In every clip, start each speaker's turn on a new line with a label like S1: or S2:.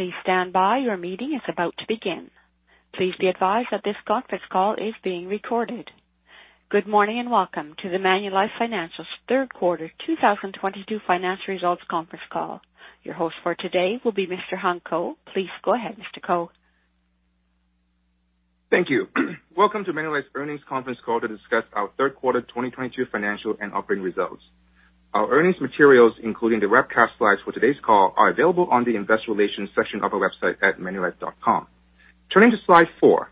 S1: Please stand by. Your meeting is about to begin. Please be advised that this conference call is being recorded. Good morning, and welcome to the Manulife Financial's third quarter 2022 financial results conference call. Your host for today will be Mr. Hung Ko. Please go ahead, Mr. Ko.
S2: Thank you. Welcome to Manulife's earnings conference call to discuss our third quarter 2022 financial and operating results. Our earnings materials, including the webcast slides for today's call, are available on the investor relations section of our website at manulife.com. Turning to slide four.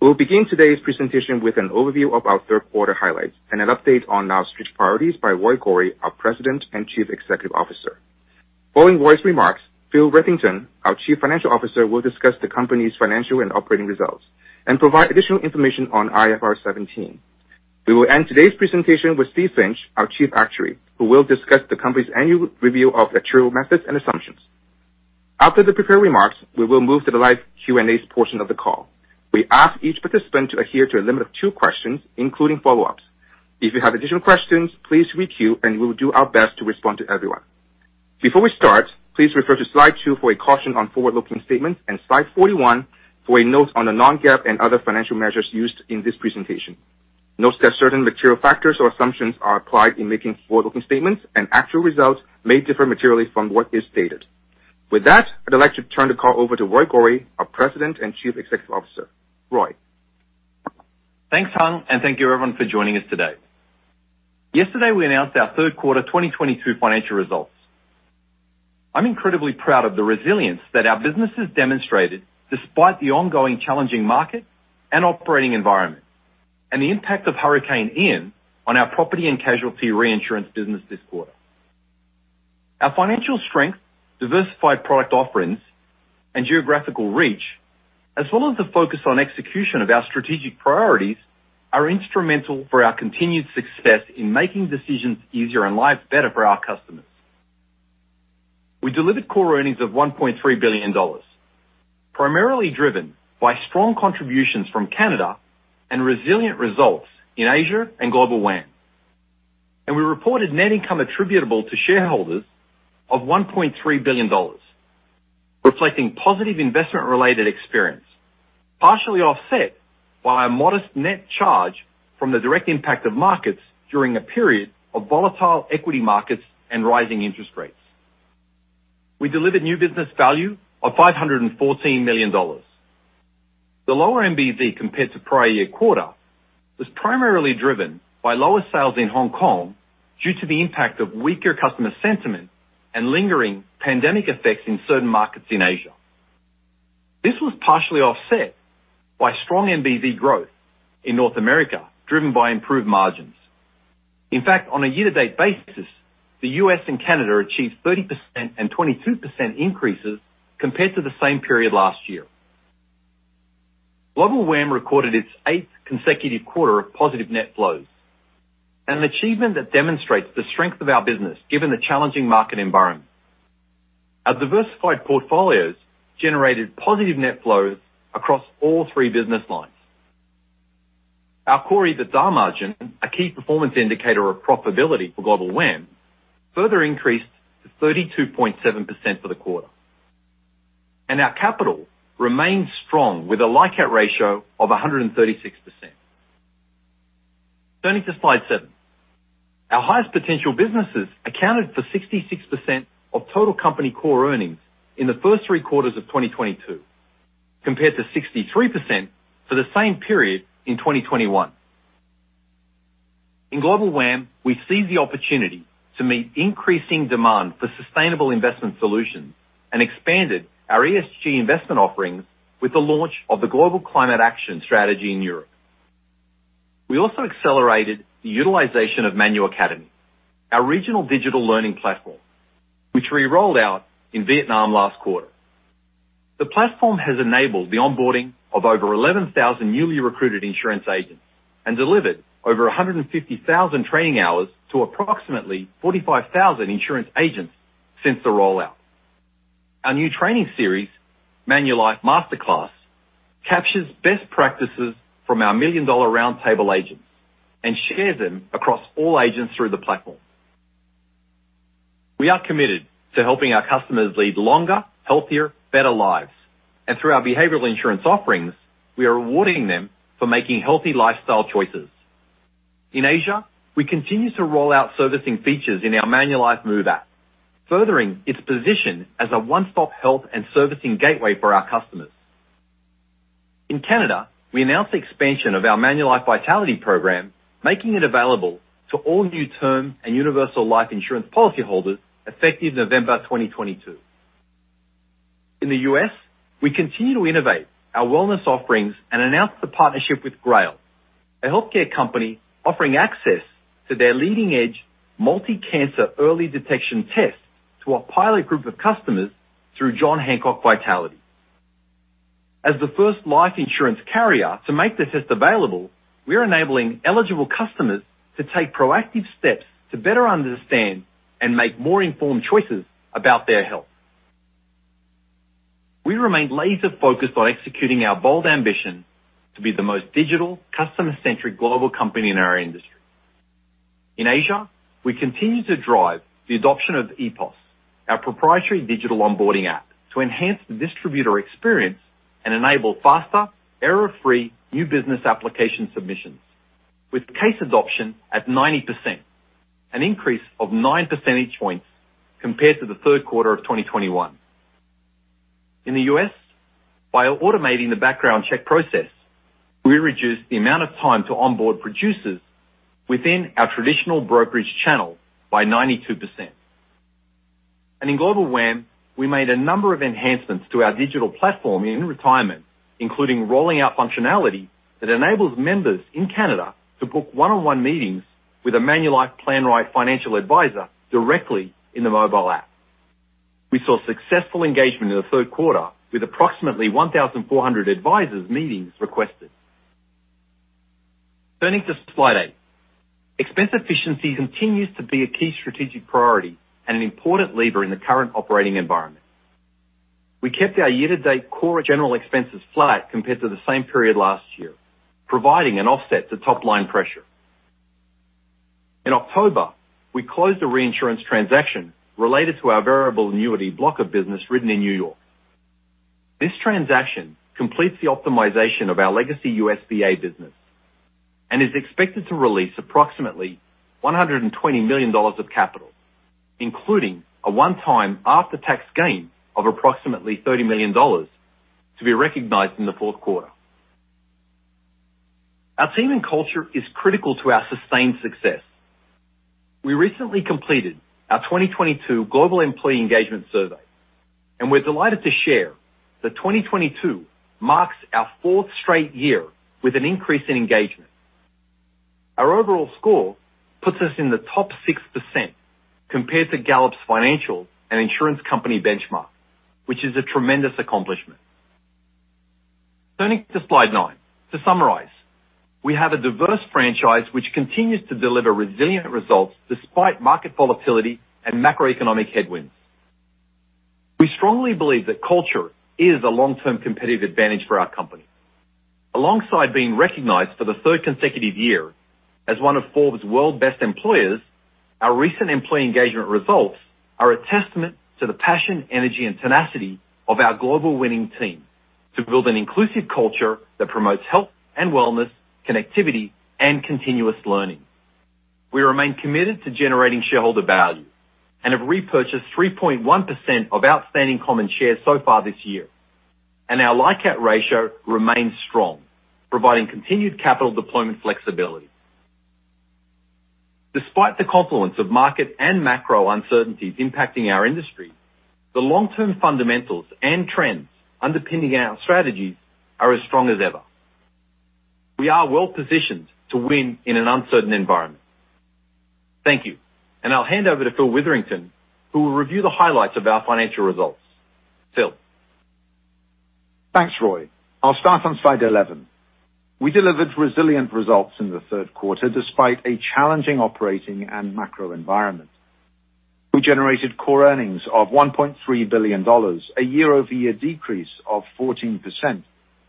S2: We will begin today's presentation with an overview of our third quarter highlights and an update on our strategic priorities by Roy Gori, our President and Chief Executive Officer. Following Roy's remarks, Phil Witherington, our Chief Financial Officer, will discuss the company's financial and operating results and provide additional information on IFRS 17. We will end today's presentation with Steve Finch, our Chief Actuary, who will discuss the company's annual review of actuarial methods and assumptions. After the prepared remarks, we will move to the live Q&A portion of the call. We ask each participant to adhere to a limit of two questions, including follow-ups. If you have additional questions, please re-queue, and we will do our best to respond to everyone. Before we start, please refer to slide two for a caution on forward-looking statements and slide 41 for a note on the non-GAAP and other financial measures used in this presentation. Note that certain material factors or assumptions are applied in making forward-looking statements and actual results may differ materially from what is stated. With that, I'd like to turn the call over to Roy Gori, our President and Chief Executive Officer. Roy.
S3: Thanks, Hung, and thank you everyone for joining us today. Yesterday, we announced our third quarter 2022 financial results. I'm incredibly proud of the resilience that our business has demonstrated despite the ongoing challenging market and operating environment and the impact of Hurricane Ian on our property and casualty reinsurance business this quarter. Our financial strength, diversified product offerings, and geographical reach, as well as the focus on execution of our strategic priorities, are instrumental for our continued success in making decisions easier and lives better for our customers. We delivered core earnings of 1.3 billion dollars, primarily driven by strong contributions from Canada and resilient results in Asia and Global WAM. We reported net income attributable to shareholders of 1.3 billion dollars, reflecting positive investment-related experience, partially offset by a modest net charge from the direct impact of markets during a period of volatile equity markets and rising interest rates. We delivered new business value of 514 million dollars. The lower MBV compared to prior year quarter was primarily driven by lower sales in Hong Kong due to the impact of weaker customer sentiment and lingering pandemic effects in certain markets in Asia. This was partially offset by strong MBV growth in North America, driven by improved margins. In fact, on a year-to-date basis, the U.S. and Canada achieved 30% and 22% increases compared to the same period last year. Global WAM recorded its eighth consecutive quarter of positive net flows, an achievement that demonstrates the strength of our business given the challenging market environment. Our diversified portfolios generated positive net flows across all three business lines. Our core EBITDA margin, a key performance indicator of profitability for Global WAM, further increased to 32.7% for the quarter. Our capital remains strong with a LICAT ratio of 136%. Turning to slide seven. Our highest potential businesses accounted for 66% of total company core earnings in the first three quarters of 2022, compared to 63% for the same period in 2021. In Global WAM, we seized the opportunity to meet increasing demand for sustainable investment solutions and expanded our ESG investment offerings with the launch of the Global Climate Action strategy in Europe. We also accelerated the utilization of Manu Academy, our regional digital learning platform, which we rolled out in Vietnam last quarter. The platform has enabled the onboarding of over 11,000 newly recruited insurance agents and delivered over 150,000 training hours to approximately 45,000 insurance agents since the rollout. Our new training series, Manulife Masterclass, captures best practices from our Million Dollar Round Table agents and shares them across all agents through the platform. We are committed to helping our customers lead longer, healthier, better lives. Through our behavioral insurance offerings, we are rewarding them for making healthy lifestyle choices. In Asia, we continue to roll out servicing features in our ManulifeMOVE app, furthering its position as a one-stop health and servicing gateway for our customers. In Canada, we announced the expansion of our Manulife Vitality program, making it available to all new term and universal life insurance policyholders effective November 2022. In the U.S., we continue to innovate our wellness offerings and announced a partnership with GRAIL, a healthcare company offering access to their leading-edge multi-cancer early detection tests to a pilot group of customers through John Hancock Vitality. As the first life insurance carrier to make the test available, we are enabling eligible customers to take proactive steps to better understand and make more informed choices about their health. We remain laser focused on executing our bold ambition to be the most digital customer-centric global company in our industry. In Asia, we continue to drive the adoption of ePOS, our proprietary digital onboarding app, to enhance the distributor experience and enable faster error-free new business application submissions with case adoption at 90%, an increase of 9 percentage points compared to the third quarter of 2021. In the U.S., by automating the background check process, we reduced the amount of time to onboard producers within our traditional brokerage channel by 92%. In Global WAM, we made a number of enhancements to our digital platform in retirement, including rolling out functionality that enables members in Canada to book one-on-one meetings with a Manulife PlanRight financial advisor directly in the mobile app. We saw successful engagement in the third quarter with approximately 1,400 advisors meetings requested. Turning to slide eight. Expense efficiency continues to be a key strategic priority and an important lever in the current operating environment. We kept our year-to-date core general expenses flat compared to the same period last year, providing an offset to top line pressure. In October, we closed a reinsurance transaction related to our variable annuity block of business written in New York. This transaction completes the optimization of our legacy U.S. VA business and is expected to release approximately $120 million of capital, including a one-time after-tax gain of approximately $30 million to be recognized in the fourth quarter. Our team and culture is critical to our sustained success. We recently completed our 2022 global employee engagement survey, and we're delighted to share that 2022 marks our fourth straight year with an increase in engagement. Our overall score puts us in the top 6% compared to Gallup's financial and insurance company benchmark, which is a tremendous accomplishment. Turning to slide nine. To summarize, we have a diverse franchise which continues to deliver resilient results despite market volatility and macroeconomic headwinds. We strongly believe that culture is a long-term competitive advantage for our company. Alongside being recognized for the third consecutive year as one of Forbes World's Best Employers, our recent employee engagement results are a testament to the passion, energy, and tenacity of our global winning team to build an inclusive culture that promotes health and wellness, connectivity, and continuous learning. We remain committed to generating shareholder value and have repurchased 3.1% of outstanding common shares so far this year. Our LICAT ratio remains strong, providing continued capital deployment flexibility. Despite the confluence of market and macro uncertainties impacting our industry, the long-term fundamentals and trends underpinning our strategies are as strong as ever. We are well positioned to win in an uncertain environment. Thank you. I'll hand over to Phil Witherington, who will review the highlights of our financial results. Phil?
S4: Thanks, Roy. I'll start on slide 11. We delivered resilient results in the third quarter despite a challenging operating and macro environment. We generated core earnings of 1.3 billion dollars, a year-over-year decrease of 14%,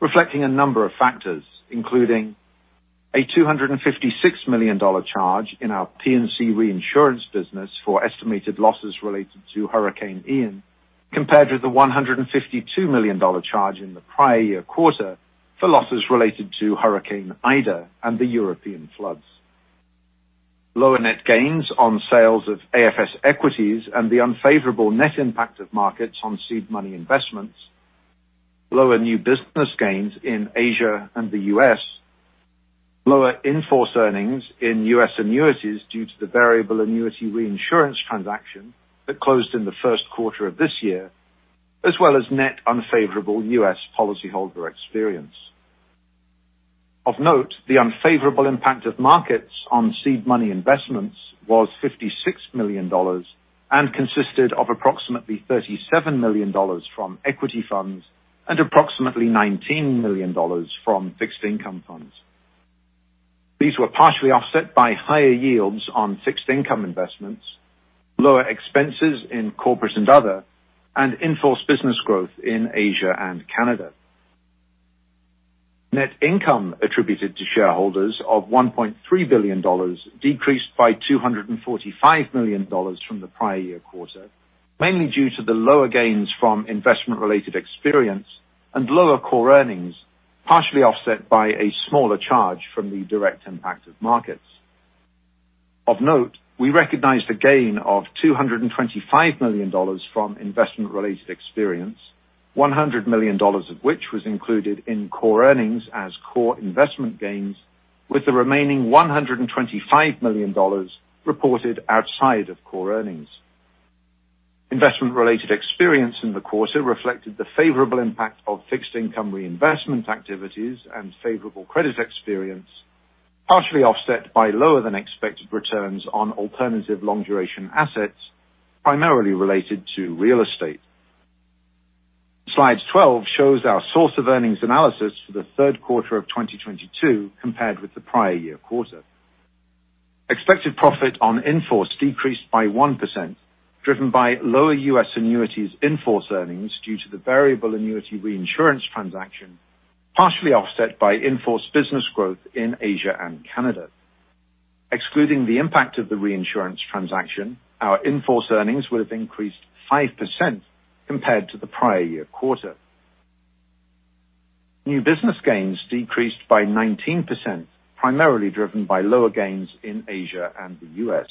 S4: reflecting a number of factors, including a 256 million dollar charge in our P&C reinsurance business for estimated losses related to Hurricane Ian, compared with the 152 million dollar charge in the prior year quarter for losses related to Hurricane Ida and the European floods. Lower net gains on sales of AFS equities and the unfavorable net impact of markets on seed money investments. Lower new business gains in Asia and the U.S. Lower in-force earnings in U.S. annuities due to the variable annuity reinsurance transaction that closed in the first quarter of this year, as well as net unfavorable U.S. policyholder experience. Of note, the unfavorable impact of markets on seed money investments was 56 million dollars, and consisted of approximately 37 million dollars from equity funds and approximately 19 million dollars from fixed income funds. These were partially offset by higher yields on fixed income investments, lower expenses in corporates and other, and in-force business growth in Asia and Canada. Net income attributed to shareholders of 1.3 billion dollars decreased by 245 million dollars from the prior year quarter, mainly due to the lower gains from investment related experience and lower core earnings, partially offset by a smaller charge from the direct impact of markets. Of note, we recognized a gain of 225 million dollars from investment related experience, 100 million dollars of which was included in core earnings as core investment gains, with the remaining 125 million dollars reported outside of core earnings. Investment related experience in the quarter reflected the favorable impact of fixed income reinvestment activities and favorable credit experience, partially offset by lower than expected returns on alternative long duration assets, primarily related to real estate. Slide 12 shows our source of earnings analysis for the third quarter of 2022 compared with the prior year quarter. Expected profit on in-force decreased by 1%, driven by lower U.S. annuities in-force earnings due to the variable annuity reinsurance transaction, partially offset by in-force business growth in Asia and Canada. Excluding the impact of the reinsurance transaction, our in-force earnings would have increased 5% compared to the prior year quarter. New business gains decreased by 19%, primarily driven by lower gains in Asia and the U.S.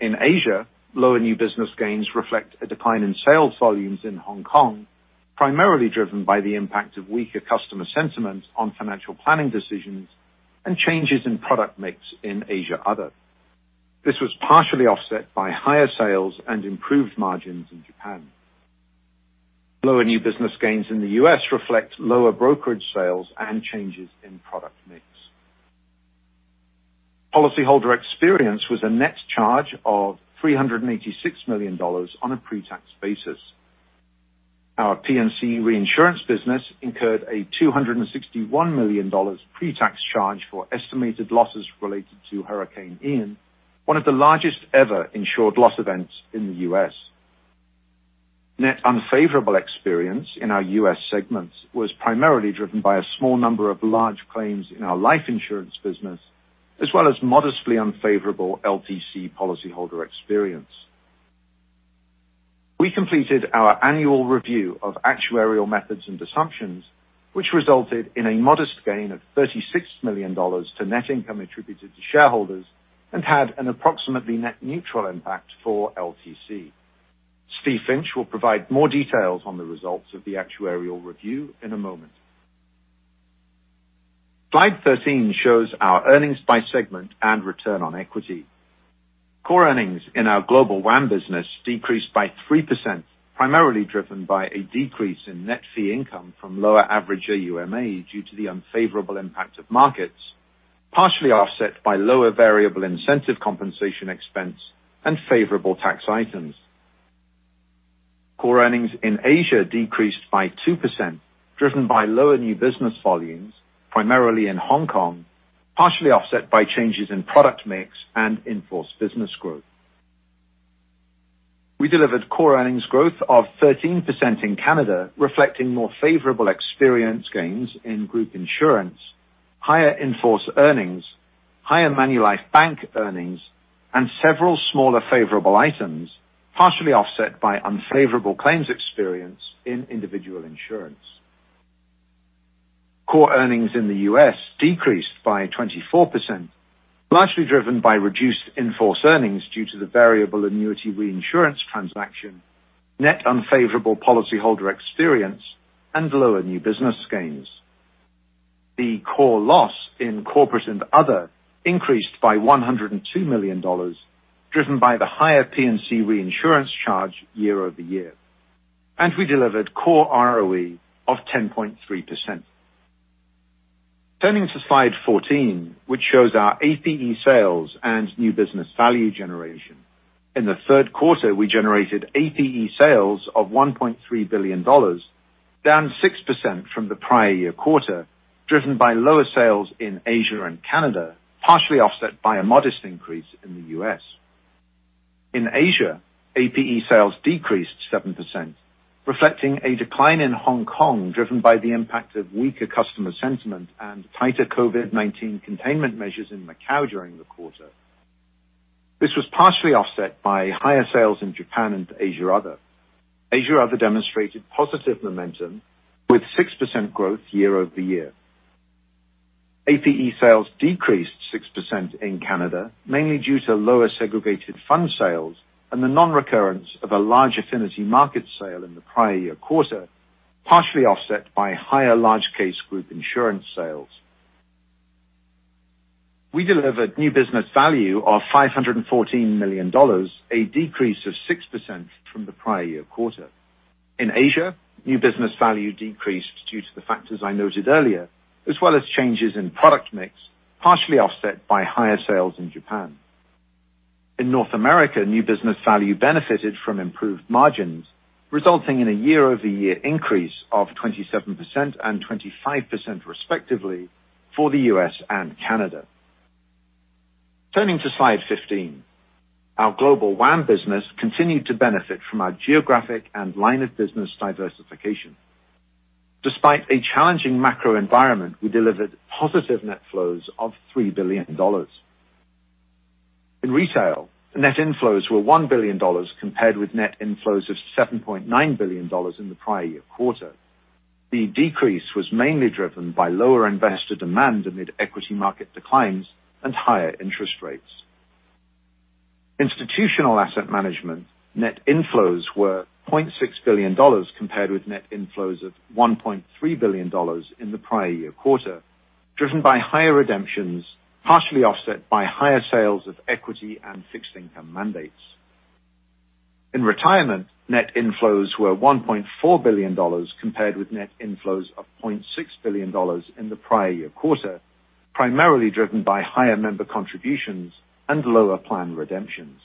S4: In Asia, lower new business gains reflect a decline in sales volumes in Hong Kong, primarily driven by the impact of weaker customer sentiment on financial planning decisions and changes in product mix in Asia Other. This was partially offset by higher sales and improved margins in Japan. Lower new business gains in the U.S. reflect lower brokerage sales and changes in product mix. Policyholder experience was a net charge of 386 million dollars on a pre-tax basis. Our P&C reinsurance business incurred a 261 million dollars pre-tax charge for estimated losses related to Hurricane Ian, one of the largest ever insured loss events in the U.S. Net unfavorable experience in our U.S. segments was primarily driven by a small number of large claims in our life insurance business, as well as modestly unfavorable LTC policyholder experience. We completed our annual review of actuarial methods and assumptions, which resulted in a modest gain of 36 million dollars to net income attributed to shareholders and had an approximately net neutral impact for LTC. Steve Finch will provide more details on the results of the actuarial review in a moment. Slide 13 shows our earnings by segment and return on equity. Core earnings in our Global WAM business decreased by 3%, primarily driven by a decrease in net fee income from lower average AUMA due to the unfavorable impact of markets, partially offset by lower variable incentive compensation expense and favorable tax items. Core earnings in Asia decreased by 2%, driven by lower new business volumes, primarily in Hong Kong, partially offset by changes in product mix and in-force business growth. We delivered core earnings growth of 13% in Canada, reflecting more favorable experience gains in group insurance, higher in-force earnings, higher Manulife Bank earnings, and several smaller favorable items, partially offset by unfavorable claims experience in individual insurance. Core earnings in the U.S. decreased by 24%, largely driven by reduced in-force earnings due to the variable annuity reinsurance transaction, net unfavorable policyholder experience, and lower new business gains. The core loss in corporate and other increased by 102 million dollars, driven by the higher P&C reinsurance charge year-over-year. We delivered core ROE of 10.3%. Turning to slide 14, which shows our APE sales and new business value generation. In the third quarter, we generated APE sales of 1.3 billion dollars, down 6% from the prior-year quarter, driven by lower sales in Asia and Canada, partially offset by a modest increase in the U.S.. In Asia, APE sales decreased 7%, reflecting a decline in Hong Kong driven by the impact of weaker customer sentiment and tighter COVID-19 containment measures in Macau during the quarter. This was partially offset by higher sales in Japan and Asia, Other. Asia, Other demonstrated positive momentum with 6% growth year-over-year. APE sales decreased 6% in Canada, mainly due to lower segregated fund sales and the nonrecurrence of a large affinity market sale in the prior year quarter, partially offset by higher large case group insurance sales. We delivered new business value of 514 million dollars, a decrease of 6% from the prior year quarter. In Asia, new business value decreased due to the factors I noted earlier, as well as changes in product mix, partially offset by higher sales in Japan. In North America, new business value benefited from improved margins, resulting in a year-over-year increase of 27% and 25% respectively for the U.S. and Canada. Turning to slide 15. Our Global WAM business continued to benefit from our geographic and line of business diversification. Despite a challenging macro environment, we delivered positive net flows of 3 billion dollars. In retail, net inflows were $1 billion compared with net inflows of $7.9 billion in the prior year quarter. The decrease was mainly driven by lower investor demand amid equity market declines and higher interest rates. Institutional asset management net inflows were $0.6 billion compared with net inflows of $1.3 billion in the prior year quarter, driven by higher redemptions, partially offset by higher sales of equity and fixed income mandates. In retirement, net inflows were $1.4 billion compared with net inflows of $0.6 billion in the prior year quarter, primarily driven by higher member contributions and lower plan redemptions.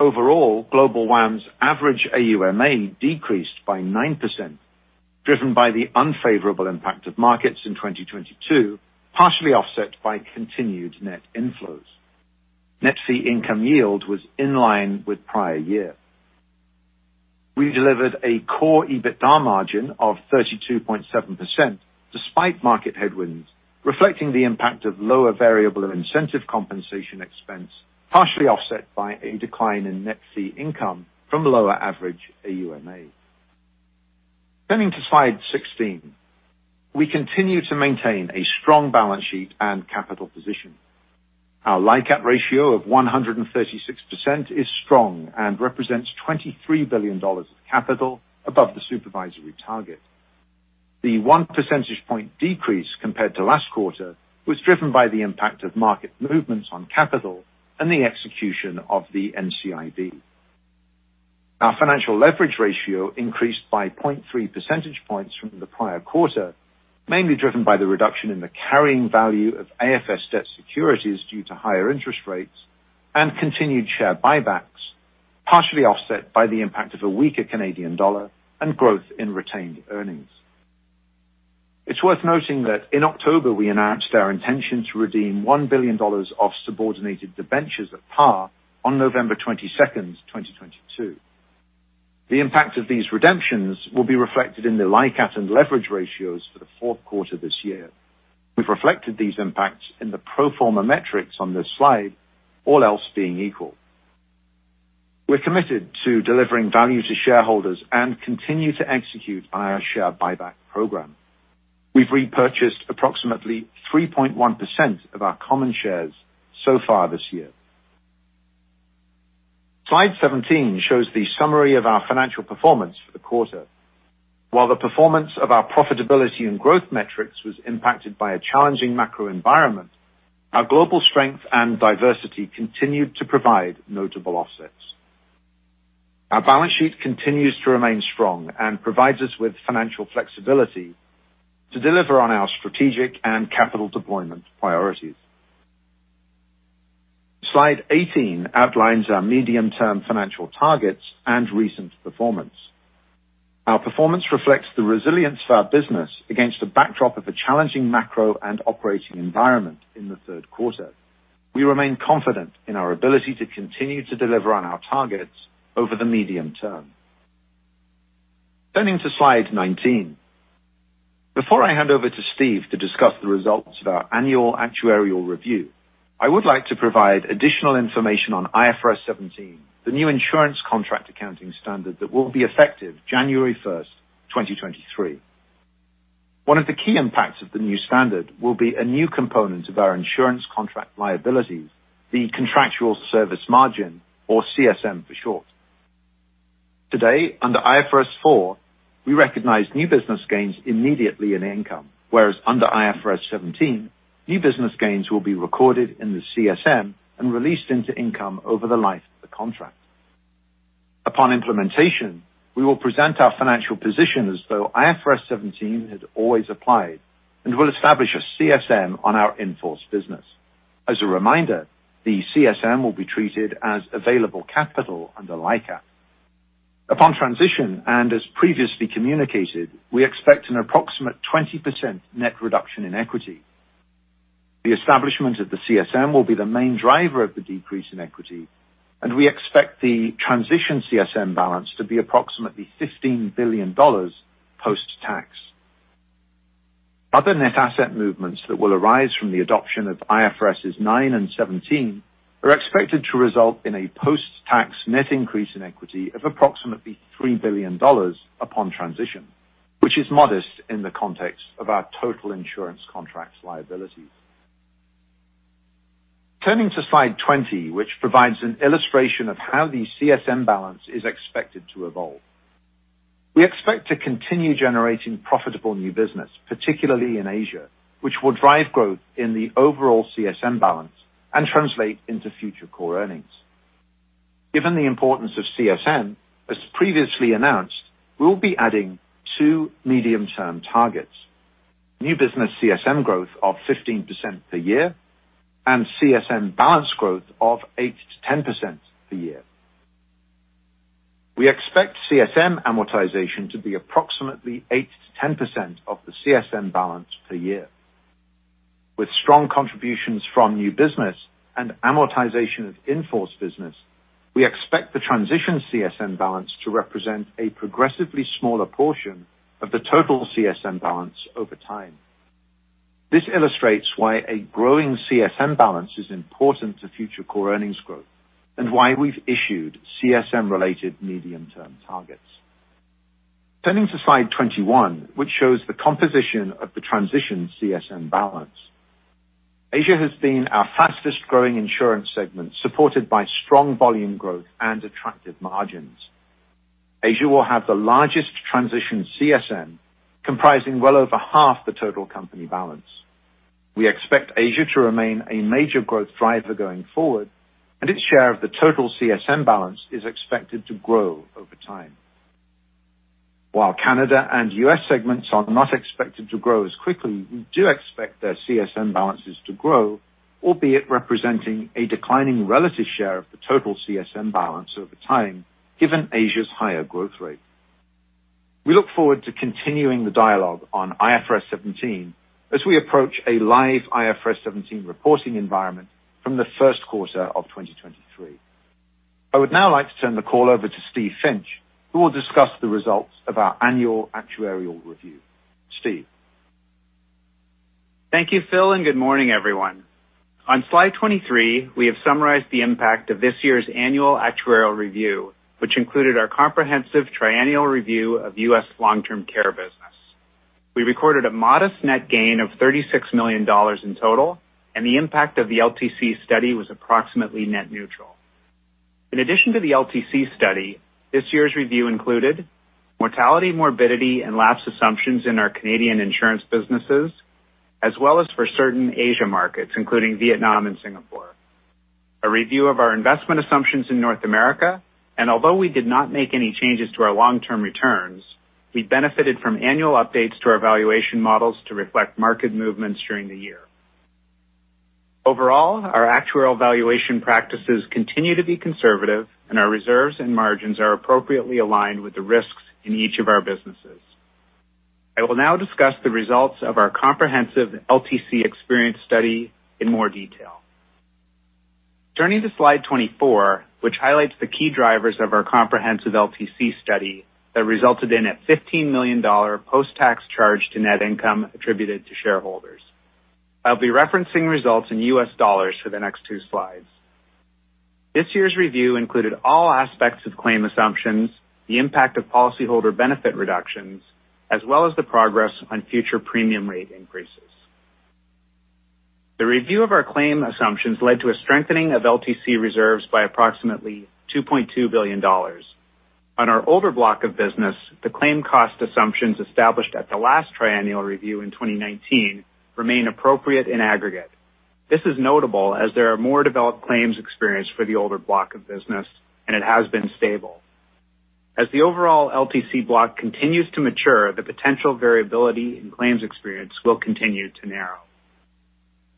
S4: Overall, Global WAM's average AUMA decreased by 9%, driven by the unfavorable impact of markets in 2022, partially offset by continued net inflows. Net fee income yield was in line with prior year. We delivered a core EBITDA margin of 32.7% despite market headwinds, reflecting the impact of lower variable and incentive compensation expense, partially offset by a decline in net fee income from lower average AUMA. Turning to slide 16. We continue to maintain a strong balance sheet and capital position. Our LICAT ratio of 136% is strong and represents 23 billion dollars of capital above the supervisory target. The 1 percentage point decrease compared to last quarter was driven by the impact of market movements on capital and the execution of the NCIB. Our financial leverage ratio increased by 0.3 percentage points from the prior quarter, mainly driven by the reduction in the carrying value of AFS debt securities due to higher interest rates and continued share buybacks, partially offset by the impact of a weaker Canadian dollar and growth in retained earnings. It's worth noting that in October, we announced our intention to redeem 1 billion dollars of subordinated debentures at par on November 22, 2022. The impact of these redemptions will be reflected in the LICAT and leverage ratios for the fourth quarter this year. We've reflected these impacts in the pro forma metrics on this slide, all else being equal. We're committed to delivering value to shareholders and continue to execute on our share buyback program. We've repurchased approximately 3.1% of our common shares so far this year. Slide 17 shows the summary of our financial performance for the quarter. While the performance of our profitability and growth metrics was impacted by a challenging macro environment, our global strength and diversity continued to provide notable offsets. Our balance sheet continues to remain strong and provides us with financial flexibility to deliver on our strategic and capital deployment priorities. Slide 18 outlines our medium-term financial targets and recent performance. Our performance reflects the resilience of our business against the backdrop of a challenging macro and operating environment in the third quarter. We remain confident in our ability to continue to deliver on our targets over the medium term. Turning to slide 19. Before I hand over to Steve to discuss the results of our annual actuarial review, I would like to provide additional information on IFRS 17, the new insurance contract accounting standard that will be effective January 1, 2023. One of the key impacts of the new standard will be a new component of our insurance contract liabilities, the contractual service margin or CSM for short. Today, under IFRS 4, we recognize new business gains immediately in income, whereas under IFRS 17, new business gains will be recorded in the CSM and released into income over the life of the contract. Upon implementation, we will present our financial position as though IFRS 17 has always applied and will establish a CSM on our in-force business. As a reminder, the CSM will be treated as available capital under LICAT. Upon transition, and as previously communicated, we expect an approximate 20% net reduction in equity. The establishment of the CSM will be the main driver of the decrease in equity, and we expect the transition CSM balance to be approximately 15 billion dollars post-tax. Other net asset movements that will arise from the adoption of IFRS 9 and 17 are expected to result in a post-tax net increase in equity of approximately 3 billion dollars upon transition, which is modest in the context of our total insurance contracts liabilities. Turning to slide 20, which provides an illustration of how the CSM balance is expected to evolve. We expect to continue generating profitable new business, particularly in Asia, which will drive growth in the overall CSM balance and translate into future core earnings. Given the importance of CSM, as previously announced, we will be adding two medium-term targets. New business CSM growth of 15% per year and CSM balance growth of 8%-10% per year. We expect CSM amortization to be approximately 8%-10% of the CSM balance per year. With strong contributions from new business and amortization of in-force business, we expect the transition CSM balance to represent a progressively smaller portion of the total CSM balance over time. This illustrates why a growing CSM balance is important to future core earnings growth, and why we've issued CSM related medium-term targets. Turning to slide 21, which shows the composition of the transition CSM balance. Asia has been our fastest growing insurance segment, supported by strong volume growth and attractive margins. Asia will have the largest transition CSM comprising well over half the total company balance. We expect Asia to remain a major growth driver going forward, and its share of the total CSM balance is expected to grow over time. While Canada and U.S. segments are not expected to grow as quickly, we do expect their CSM balances to grow, albeit representing a declining relative share of the total CSM balance over time, given Asia's higher growth rate. We look forward to continuing the dialogue on IFRS 17 as we approach a live IFRS 17 reporting environment from the first quarter of 2023. I would now like to turn the call over to Steve Finch, who will discuss the results of our annual actuarial review. Steve.
S5: Thank you, Phil, and good morning, everyone. On slide 23, we have summarized the impact of this year's annual actuarial review, which included our comprehensive triennial review of U.S. long-term care business. We recorded a modest net gain of 36 million dollars in total, and the impact of the LTC study was approximately net neutral. In addition to the LTC study, this year's review included mortality, morbidity and lapse assumptions in our Canadian insurance businesses as well as for certain Asia markets, including Vietnam and Singapore. A review of our investment assumptions in North America, and although we did not make any changes to our long-term returns, we benefited from annual updates to our valuation models to reflect market movements during the year. Overall, our actuarial valuation practices continue to be conservative and our reserves and margins are appropriately aligned with the risks in each of our businesses. I will now discuss the results of our comprehensive LTC experience study in more detail. Turning to slide 24, which highlights the key drivers of our comprehensive LTC study that resulted in a $15 million post-tax charge to net income attributed to shareholders. I'll be referencing results in U.S. dollars for the next two slides. This year's review included all aspects of claim assumptions, the impact of policyholder benefit reductions, as well as the progress on future premium rate increases. The review of our claim assumptions led to a strengthening of LTC reserves by approximately $2.2 billion. On our older block of business, the claim cost assumptions established at the last triennial review in 2019 remain appropriate in aggregate. This is notable as there are more developed claims experience for the older block of business and it has been stable. As the overall LTC block continues to mature, the potential variability in claims experience will continue to narrow.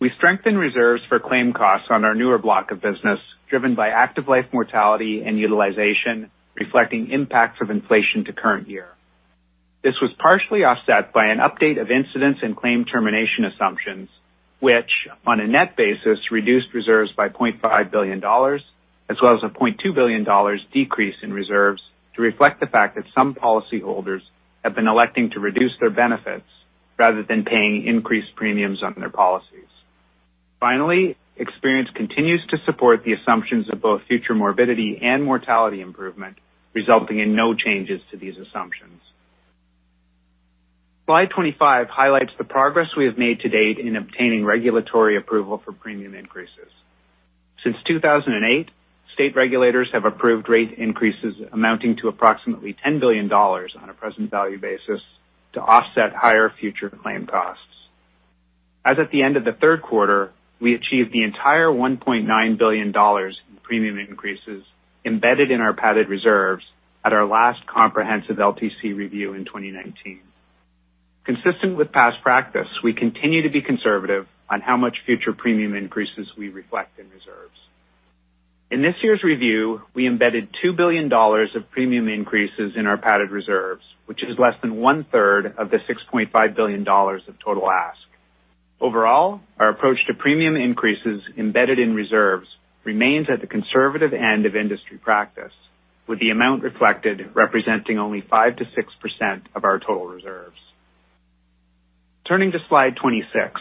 S5: We strengthen reserves for claim costs on our newer block of business, driven by active life mortality and utilization, reflecting impacts of inflation to current year. This was partially offset by an update of incidents and claim termination assumptions, which on a net basis reduced reserves by 0.5 billion dollars as well as a 0.2 billion dollars decrease in reserves to reflect the fact that some policyholders have been electing to reduce their benefits rather than paying increased premiums on their policies. Finally, experience continues to support the assumptions of both future morbidity and mortality improvement, resulting in no changes to these assumptions. Slide 25 highlights the progress we have made to date in obtaining regulatory approval for premium increases. Since 2008, state regulators have approved rate increases amounting to approximately $10 billion on a present value basis to offset higher future claim costs. As at the end of the third quarter, we achieved the entire $1.9 billion in premium increases embedded in our PfAD reserves at our last comprehensive LTC review in 2019. Consistent with past practice, we continue to be conservative on how much future premium increases we reflect in reserves. In this year's review, we embedded $2 billion of premium increases in our PfAD reserves, which is less than one-third of the $6.5 billion of total ask. Overall, our approach to premium increases embedded in reserves remains at the conservative end of industry practice, with the amount reflected representing only 5%-6% of our total reserves. Turning to slide 26.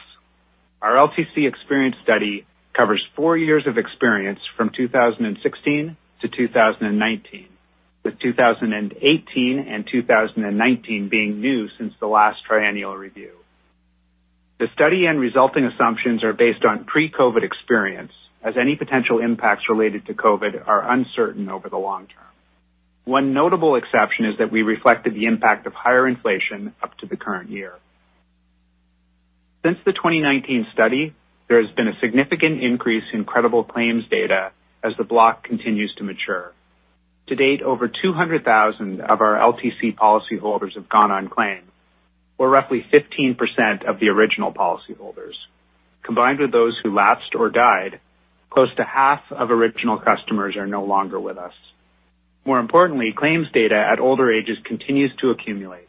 S5: Our LTC experience study covers four years of experience from 2016 to 2019, with 2018 and 2019 being new since the last triennial review. The study and resulting assumptions are based on pre-COVID experience as any potential impacts related to COVID are uncertain over the long term. One notable exception is that we reflected the impact of higher inflation up to the current year. Since the 2019 study, there has been a significant increase in credible claims data as the block continues to mature. To date, over 200,000 of our LTC policyholders have gone on claim or roughly 15% of the original policyholders. Combined with those who lapsed or died, close to half of original customers are no longer with us. More importantly, claims data at older ages continues to accumulate.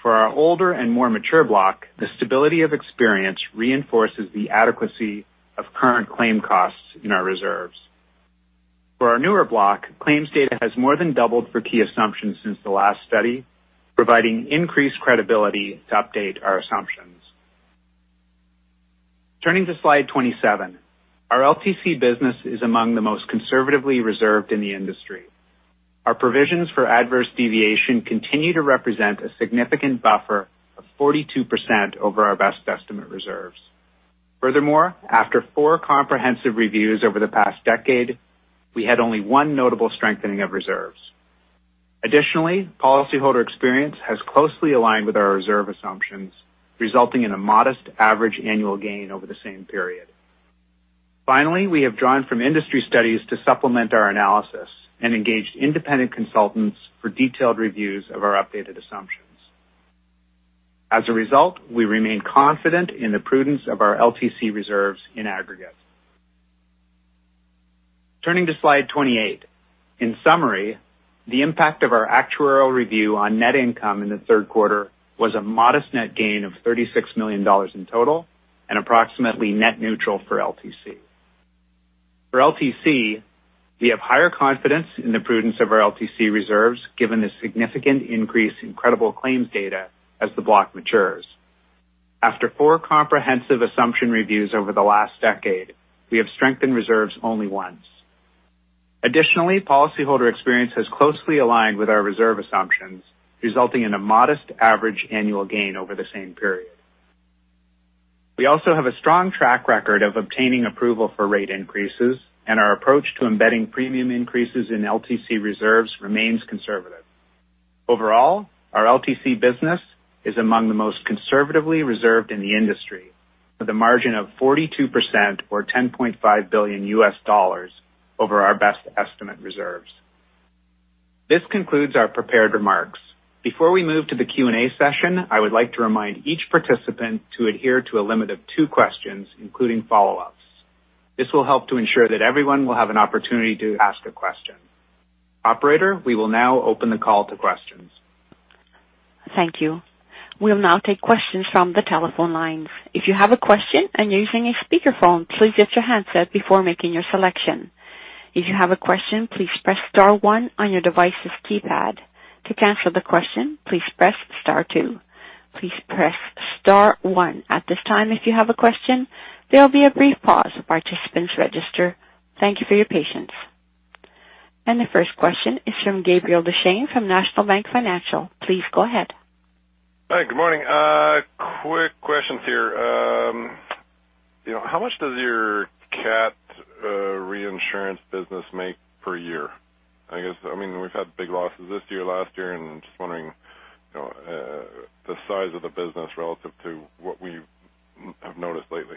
S5: For our older and more mature block, the stability of experience reinforces the adequacy of current claim costs in our reserves. For our newer block, claims data has more than doubled for key assumptions since the last study, providing increased credibility to update our assumptions. Turning to slide 27. Our LTC business is among the most conservatively reserved in the industry. Our provisions for adverse deviation continue to represent a significant buffer of 42% over our best estimate reserves. Furthermore, after four comprehensive reviews over the past decade, we had only one notable strengthening of reserves. Additionally, policyholder experience has closely aligned with our reserve assumptions, resulting in a modest average annual gain over the same period. Finally, we have drawn from industry studies to supplement our analysis and engaged independent consultants for detailed reviews of our updated assumptions. As a result, we remain confident in the prudence of our LTC reserves in aggregate. Turning to slide 28. In summary, the impact of our actuarial review on net income in the third quarter was a modest net gain of 36 million dollars in total and approximately net neutral for LTC. For LTC, we have higher confidence in the prudence of our LTC reserves given the significant increase in credible claims data as the block matures. After four comprehensive assumption reviews over the last decade, we have strengthened reserves only once. Additionally, policyholder experience has closely aligned with our reserve assumptions, resulting in a modest average annual gain over the same period. We also have a strong track record of obtaining approval for rate increases, and our approach to embedding premium increases in LTC reserves remains conservative. Overall, our LTC business is among the most conservatively reserved in the industry, with a margin of 42% or $10.5 billion over our best estimate reserves. This concludes our prepared remarks. Before we move to the Q&A session, I would like to remind each participant to adhere to a limit of two questions, including follow-ups. This will help to ensure that everyone will have an opportunity to ask a question. Operator, we will now open the call to questions.
S1: Thank you. We'll now take questions from the telephone lines. If you have a question and you're using a speakerphone, please get your handset before making your selection. If you have a question, please press star one on your device's keypad. To cancel the question, please press star two. Please press star one at this time if you have a question. There will be a brief pause for participants register. Thank you for your patience. The first question is from Gabriel Dechaine from National Bank Financial. Please go ahead.
S6: Hi, good morning. Quick questions here. You know, how much does your cat reinsurance business make per year? I guess, I mean, we've had big losses this year, last year, and just wondering, you know, the size of the business relative to what we've noticed lately.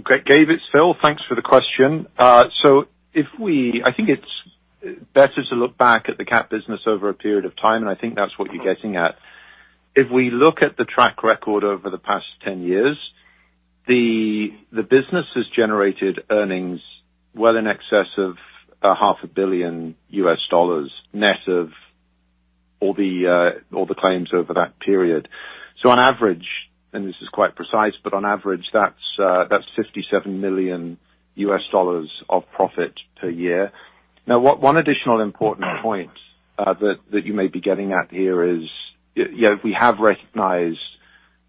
S4: Great, Gabe, it's Phil. Thanks for the question. I think it's better to look back at the cat business over a period of time, and I think that's what you're getting at. If we look at the track record over the past 10 years, the business has generated earnings well in excess of half a billion U.S. Dollars net of all the claims over that period. On average, and this is quite precise, but on average, that's $57 million of profit per year. Now, one additional important point that you may be getting at here is, you know, we have recognized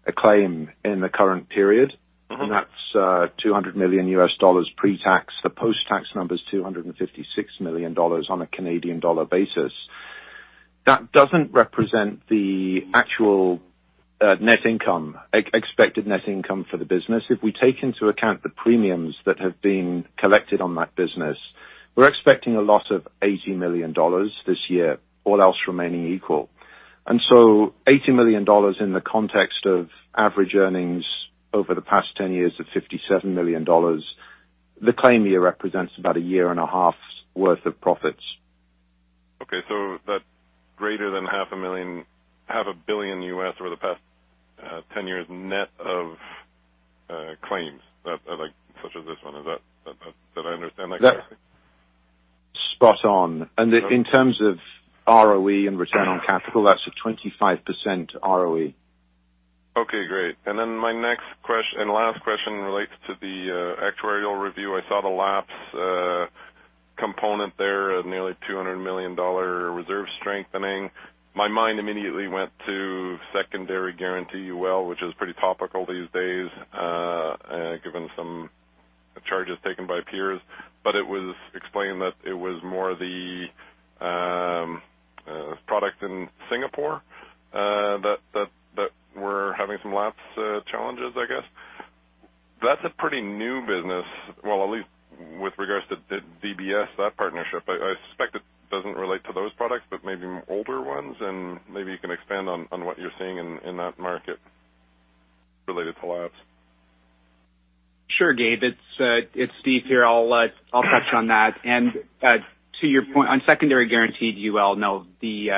S4: a claim in the current period, and that's $200 million pre-tax. The post-tax number is 256 million dollars on a Canadian dollar basis. That doesn't represent the actual net income, expected net income for the business. If we take into account the premiums that have been collected on that business, we're expecting a loss of 80 million dollars this year, all else remaining equal. 80 million dollars in the context of average earnings over the past 10 years of 57 million dollars, the claim year represents about a year and a half's worth of profits.
S6: Okay. That greater than half a million, half a billion USD over the past 10 years net of claims that, like, such as this one. Is that. Did I understand that correctly?
S4: That's spot on. In terms of ROE and return on capital, that's a 25% ROE.
S6: Okay, great. Then my next and last question relates to the actuarial review. I saw the lapse component there of nearly $200 million reserve strengthening. My mind immediately went to secondary guarantee UL, which is pretty topical these days, given some charges taken by peers. It was explained that it was more the product in Singapore that were having some lapse challenges, I guess. That's a pretty new business. Well, at least with regards to the DBS that partnership. I suspect it doesn't relate to those products, but maybe older ones, and maybe you can expand on what you're seeing in that market related to lapse.
S5: Sure, Gabe. It's Steve here. I'll touch on that. To your point on Secondary Guaranteed UL, no, the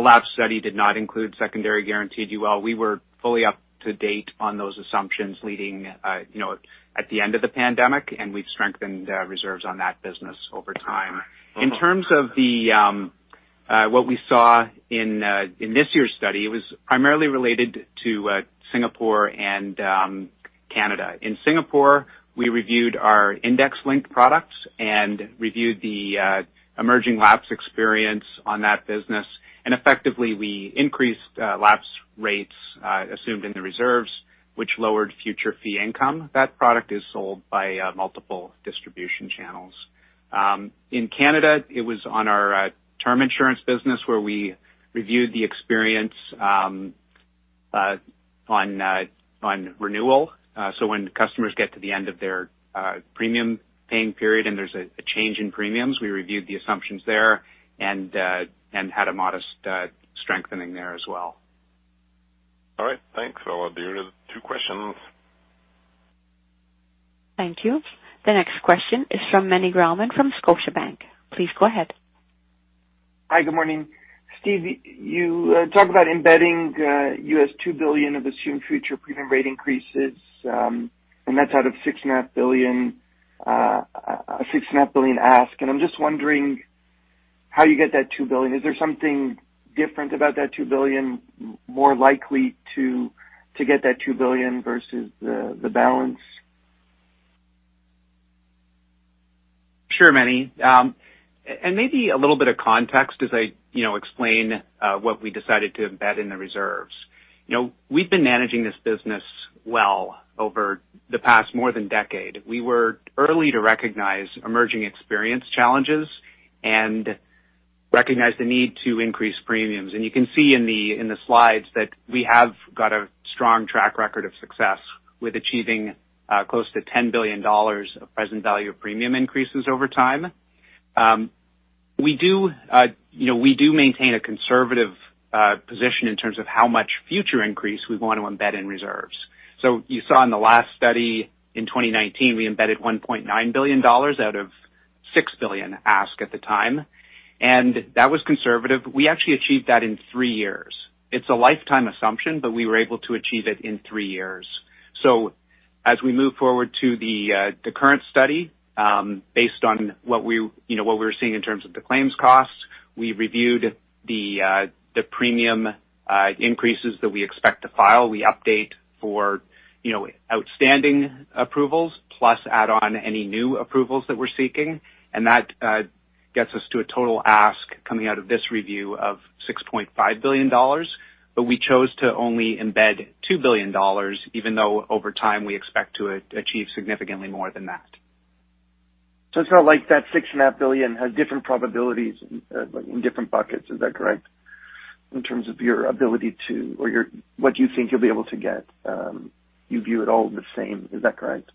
S5: lapse study did not include Secondary Guaranteed UL. We were fully up to date on those assumptions leading you know at the end of the pandemic, and we've strengthened reserves on that business over time. In terms of what we saw in this year's study, it was primarily related to Singapore and Canada. In Singapore, we reviewed our index-linked products and reviewed the emerging lapse experience on that business. Effectively, we increased lapse rates assumed in the reserves, which lowered future fee income. That product is sold by multiple distribution channels. In Canada, it was on our term insurance business where we reviewed the experience on renewal. When customers get to the end of their premium paying period and there's a change in premiums, we reviewed the assumptions there and had a modest strengthening there as well.
S6: All right. Thanks. Well, I'll do two questions.
S1: Thank you. The next question is from Meny Grauman from Scotiabank. Please go ahead.
S7: Hi, good morning. Steve, you talk about embedding U.S. $2 billion of assumed future premium rate increases, and that's out of $6.5 billion CSM. I'm just wondering how you get that $2 billion. Is there something different about that $2 billion more likely to get that $2 billion versus the balance?
S5: Sure, Meny. Maybe a little bit of context as I, you know, explain what we decided to embed in the reserves. You know, we've been managing this business well over the past more than decade. We were early to recognize emerging experience challenges and recognize the need to increase premiums. You can see in the slides that we have got a strong track record of success with achieving close to 10 billion dollars of present value premium increases over time. We do, you know, we do maintain a conservative position in terms of how much future increase we want to embed in reserves. You saw in the last study in 2019, we embedded 1.9 billion dollars out of 6 billion ask at the time, and that was conservative. We actually achieved that in three years. It's a lifetime assumption, but we were able to achieve it in three years. As we move forward to the current study, based on what we're seeing in terms of the claims costs, we reviewed the premium increases that we expect to file. We update for outstanding approvals plus add on any new approvals that we're seeking. That gets us to a total ask coming out of this review of 6.5 billion dollars. We chose to only embed 2 billion dollars, even though over time we expect to achieve significantly more than that.
S7: It's not like that 6.5 billion has different probabilities in different buckets. Is that correct? In terms of your ability to what you think you'll be able to get, you view it all the same. Is that correct?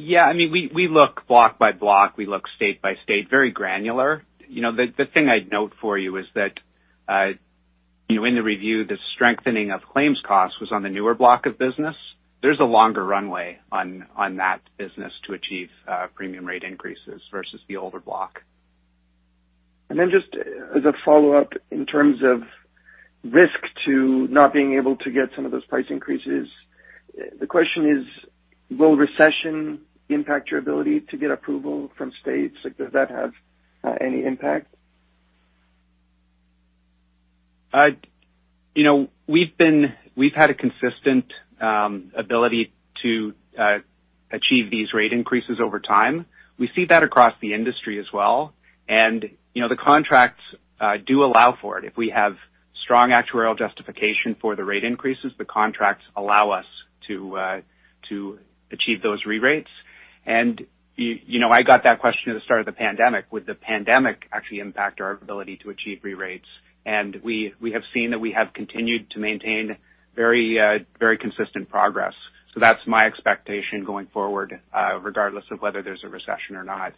S5: Yeah, I mean, we look block by block. We look state by state, very granular. You know, the thing I'd note for you is that, you know, in the review, the strengthening of claims costs was on the newer block of business. There's a longer runway on that business to achieve premium rate increases versus the older block.
S7: Just as a follow-up, in terms of risk to not being able to get some of those price increases, the question is, will recession impact your ability to get approval from states? Does that have any impact?
S5: You know, we've had a consistent ability to achieve these rate increases over time. We see that across the industry as well. You know, the contracts do allow for it. If we have strong actuarial justification for the rate increases, the contracts allow us to achieve those re-rates. You know, I got that question at the start of the pandemic, would the pandemic actually impact our ability to achieve re-rates? We have seen that we have continued to maintain very consistent progress. That's my expectation going forward, regardless of whether there's a recession or not.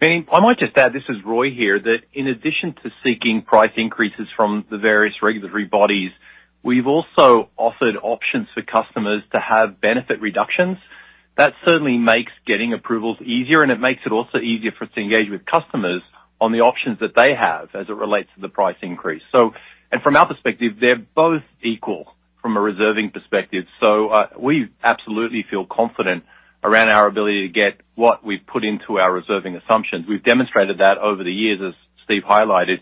S3: Meny I might just add, this is Roy here, that in addition to seeking price increases from the various regulatory bodies, we've also offered options for customers to have benefit reductions. That certainly makes getting approvals easier, and it makes it also easier for us to engage with customers on the options that they have as it relates to the price increase. From our perspective, they're both equal from a reserving perspective. We absolutely feel confident around our ability to get what we've put into our reserving assumptions. We've demonstrated that over the years, as Steve highlighted.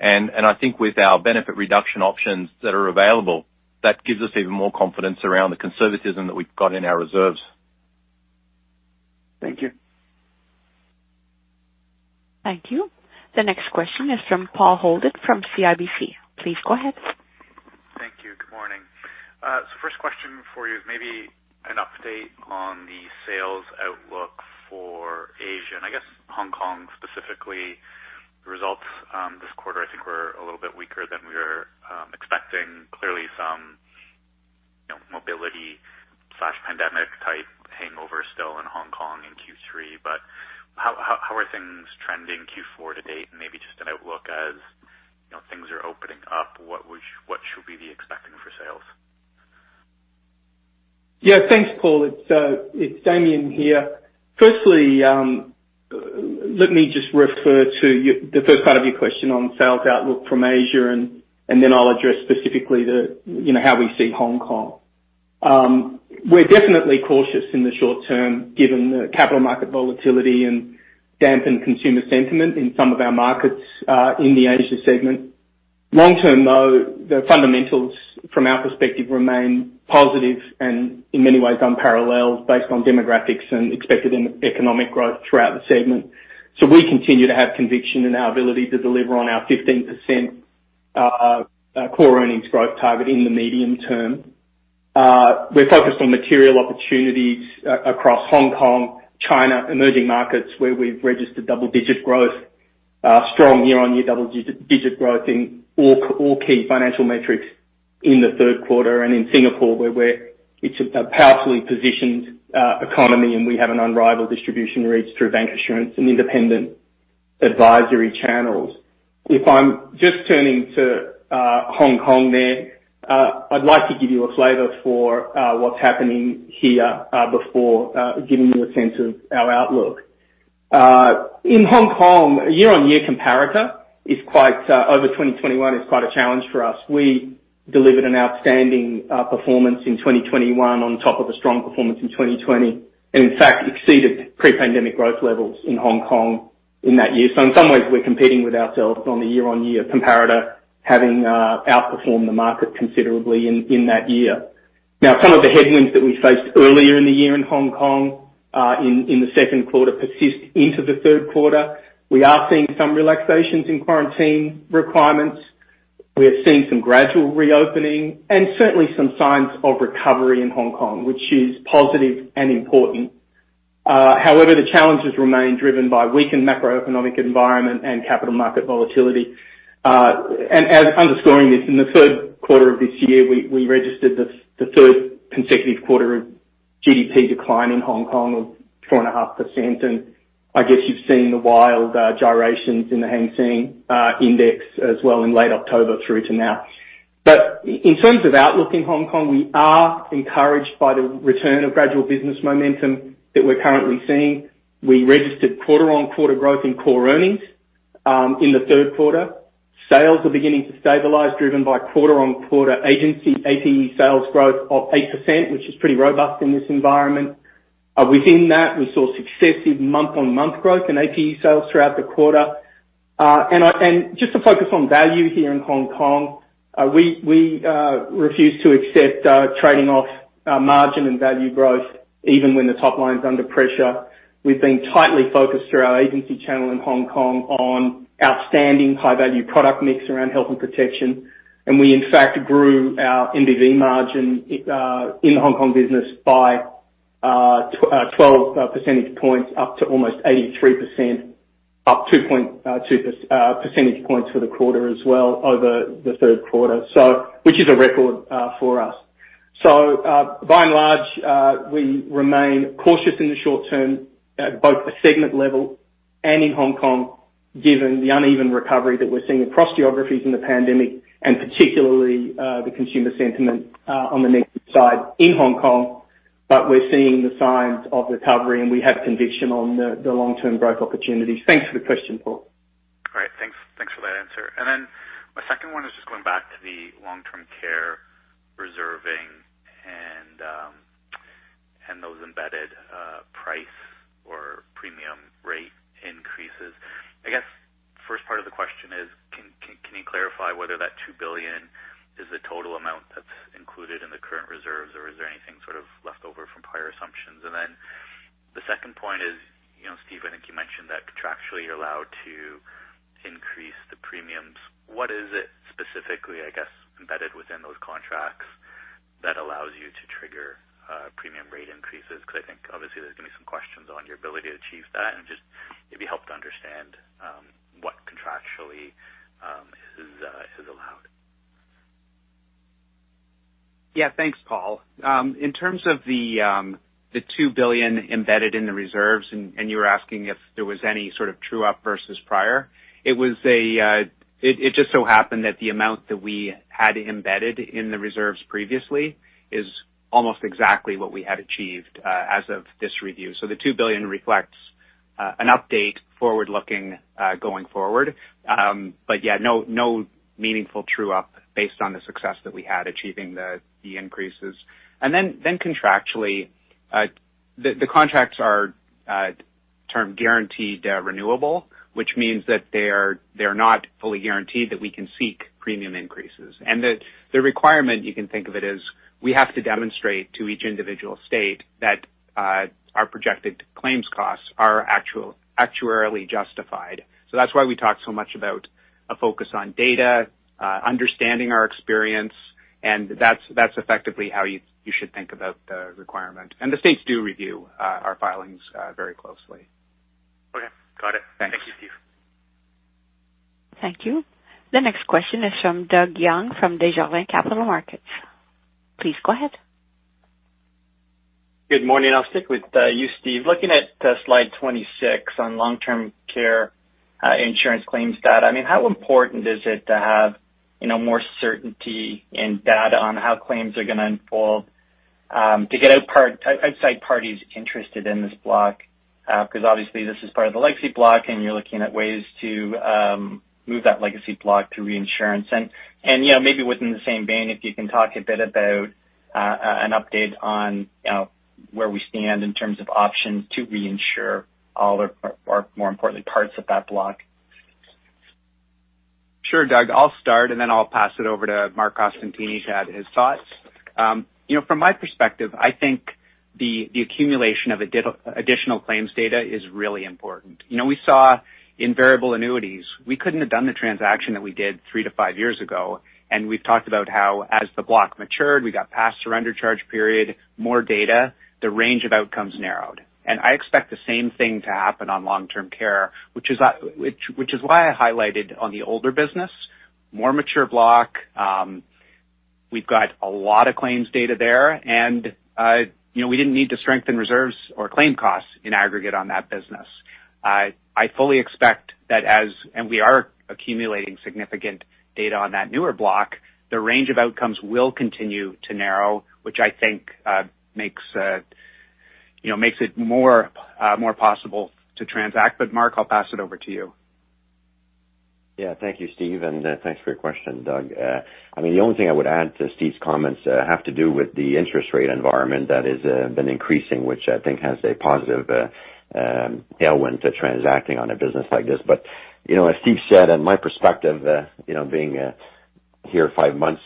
S3: I think with our benefit reduction options that are available, that gives us even more confidence around the conservatism that we've got in our reserves.
S7: Thank you.
S1: Thank you. The next question is from Paul Holden from CIBC. Please go ahead.
S8: Thank you. Good morning. So first question for you is maybe an update on the sales outlook for Asia, and I guess Hong Kong specifically. The results this quarter, I think were a little bit weaker than we were expecting. Clearly some, you know, mobility/pandemic type hangover still in Hong Kong in Q3. But how are things trending Q4 to date? And maybe just an outlook as you know, things are opening up, what should we be expecting for sales?
S9: Yeah. Thanks, Paul. It's Damien here. First, let me just refer to the first part of your question on sales outlook from Asia, and then I'll address specifically the, you know, how we see Hong Kong. We're definitely cautious in the short term, given the capital market volatility and dampened consumer sentiment in some of our markets in the Asia segment. Long term, though, the fundamentals from our perspective remain positive and in many ways unparalleled based on demographics and expected economic growth throughout the segment. We continue to have conviction in our ability to deliver on our 15% core earnings growth target in the medium term. We're focused on material opportunities across Hong Kong, China, emerging markets, where we've registered double-digit growth, strong year-on-year double-digit growth in all key financial metrics in the third quarter. In Singapore, it's a powerfully positioned economy, and we have an unrivaled distribution reach through bancassurance and independent advisory channels. If I'm just turning to Hong Kong there, I'd like to give you a flavor for what's happening here, before giving you a sense of our outlook. In Hong Kong, year-on-year comparator is quite over 2021 is quite a challenge for us. We delivered an outstanding performance in 2021 on top of a strong performance in 2020, and in fact exceeded pre-pandemic growth levels in Hong Kong in that year. In some ways, we're competing with ourselves on a year-on-year comparator, having outperformed the market considerably in that year. Now some of the headwinds that we faced earlier in the year in Hong Kong in the second quarter persist into the third quarter. We are seeing some relaxations in quarantine requirements. We are seeing some gradual reopening and certainly some signs of recovery in Hong Kong, which is positive and important. However, the challenges remain driven by weakened macroeconomic environment and capital market volatility. And as underscoring this, in the third quarter of this year, we registered the third consecutive quarter of GDP decline in Hong Kong of 4.5%. I guess you've seen the wild gyrations in the Hang Seng Index as well in late October through to now. In terms of outlook in Hong Kong, we are encouraged by the return of gradual business momentum that we're currently seeing. We registered quarter-on-quarter growth in core earnings in the third quarter. Sales are beginning to stabilize, driven by quarter-on-quarter agency APE sales growth of 8%, which is pretty robust in this environment. Within that, we saw successive month-on-month growth in APE sales throughout the quarter. Just to focus on value here in Hong Kong, we refuse to accept trading off margin and value growth even when the top line is under pressure. We've been tightly focused through our agency channel in Hong Kong on outstanding high-value product mix around health and protection. We in fact grew our NBV margin in the Hong Kong business by 12 percentage points up to almost 83%, up 2.2 percentage points for the quarter as well over the third quarter, which is a record for us. By and large, we remain cautious in the short term at both the segment level and in Hong Kong, given the uneven recovery that we're seeing across geographies in the pandemic, and particularly the consumer sentiment on the negative side in Hong Kong. We're seeing the signs of recovery, and we have conviction on the long-term growth opportunities. Thanks for the question, Paul.
S8: Great. Thanks. Thanks for that answer. Then my second one is just going back to the long-term care reserving and those embedded price or premium rate increases. I guess first part of the question is can you clarify whether that 2 billion is the total amount that's included in the current reserves, or is there anything sort of left over from prior assumptions? Then the second point is, you know, Steve, I think you mentioned that contractually you're allowed to increase the premiums. What is it specifically, I guess, embedded within those contracts that allows you to trigger premium rate increases? Because I think obviously there's going to be some questions on your ability to achieve that. Just it'd be helpful to understand what contractually is allowed.
S5: Yeah. Thanks, Paul. In terms of the 2 billion embedded in the reserves, and you were asking if there was any sort of true-up versus prior, it was. It just so happened that the amount that we had embedded in the reserves previously is almost exactly what we had achieved as of this review. So the 2 billion reflects an update forward-looking going forward. But yeah, no meaningful true-up based on the success that we had achieving the increases. Then contractually, the contracts are term guaranteed renewable, which means that they are not fully guaranteed that we can seek premium increases. And the requirement you can think of it as we have to demonstrate to each individual state that our projected claims costs are actuarially justified. That's why we talk so much about a focus on data, understanding our experience. That's effectively how you should think about the requirement. The states do review our filings very closely.
S8: Okay. Got it.
S5: Thanks.
S8: Thank you, Steve.
S1: Thank you. The next question is from Doug Young from Desjardins Capital Markets. Please go ahead.
S10: Good morning. I'll stick with you, Steve. Looking at slide 26 on long-term care insurance claims data, I mean, how important is it to have, you know, more certainty in data on how claims are gonna unfold to get outside parties interested in this block? Because obviously this is part of the legacy block and you're looking at ways to move that legacy block to reinsurance. You know, maybe within the same vein, if you can talk a bit about an update on where we stand in terms of options to reinsure all or more importantly, parts of that block.
S5: Sure, Doug. I'll start, and then I'll pass it over to Marc Costantini to add his thoughts. You know, from my perspective, I think the accumulation of additional claims data is really important. You know, we saw in variable annuities, we couldn't have done the transaction that we did three to five years ago, and we've talked about how as the block matured, we got past surrender charge period, more data, the range of outcomes narrowed. I expect the same thing to happen on long-term care, which is why I highlighted on the older business, more mature block. We've got a lot of claims data there, and you know, we didn't need to strengthen reserves or claim costs in aggregate on that business. I fully expect that as We are accumulating significant data on that newer block. The range of outcomes will continue to narrow, which I think, you know, makes it more possible to transact. Marc, I'll pass it over to you.
S11: Yeah. Thank you, Steve, and thanks for your question, Doug. I mean, the only thing I would add to Steve's comments have to do with the interest rate environment that has been increasing, which I think has a positive tailwind to transacting on a business like this. You know, as Steve said, and my perspective, you know, being here five months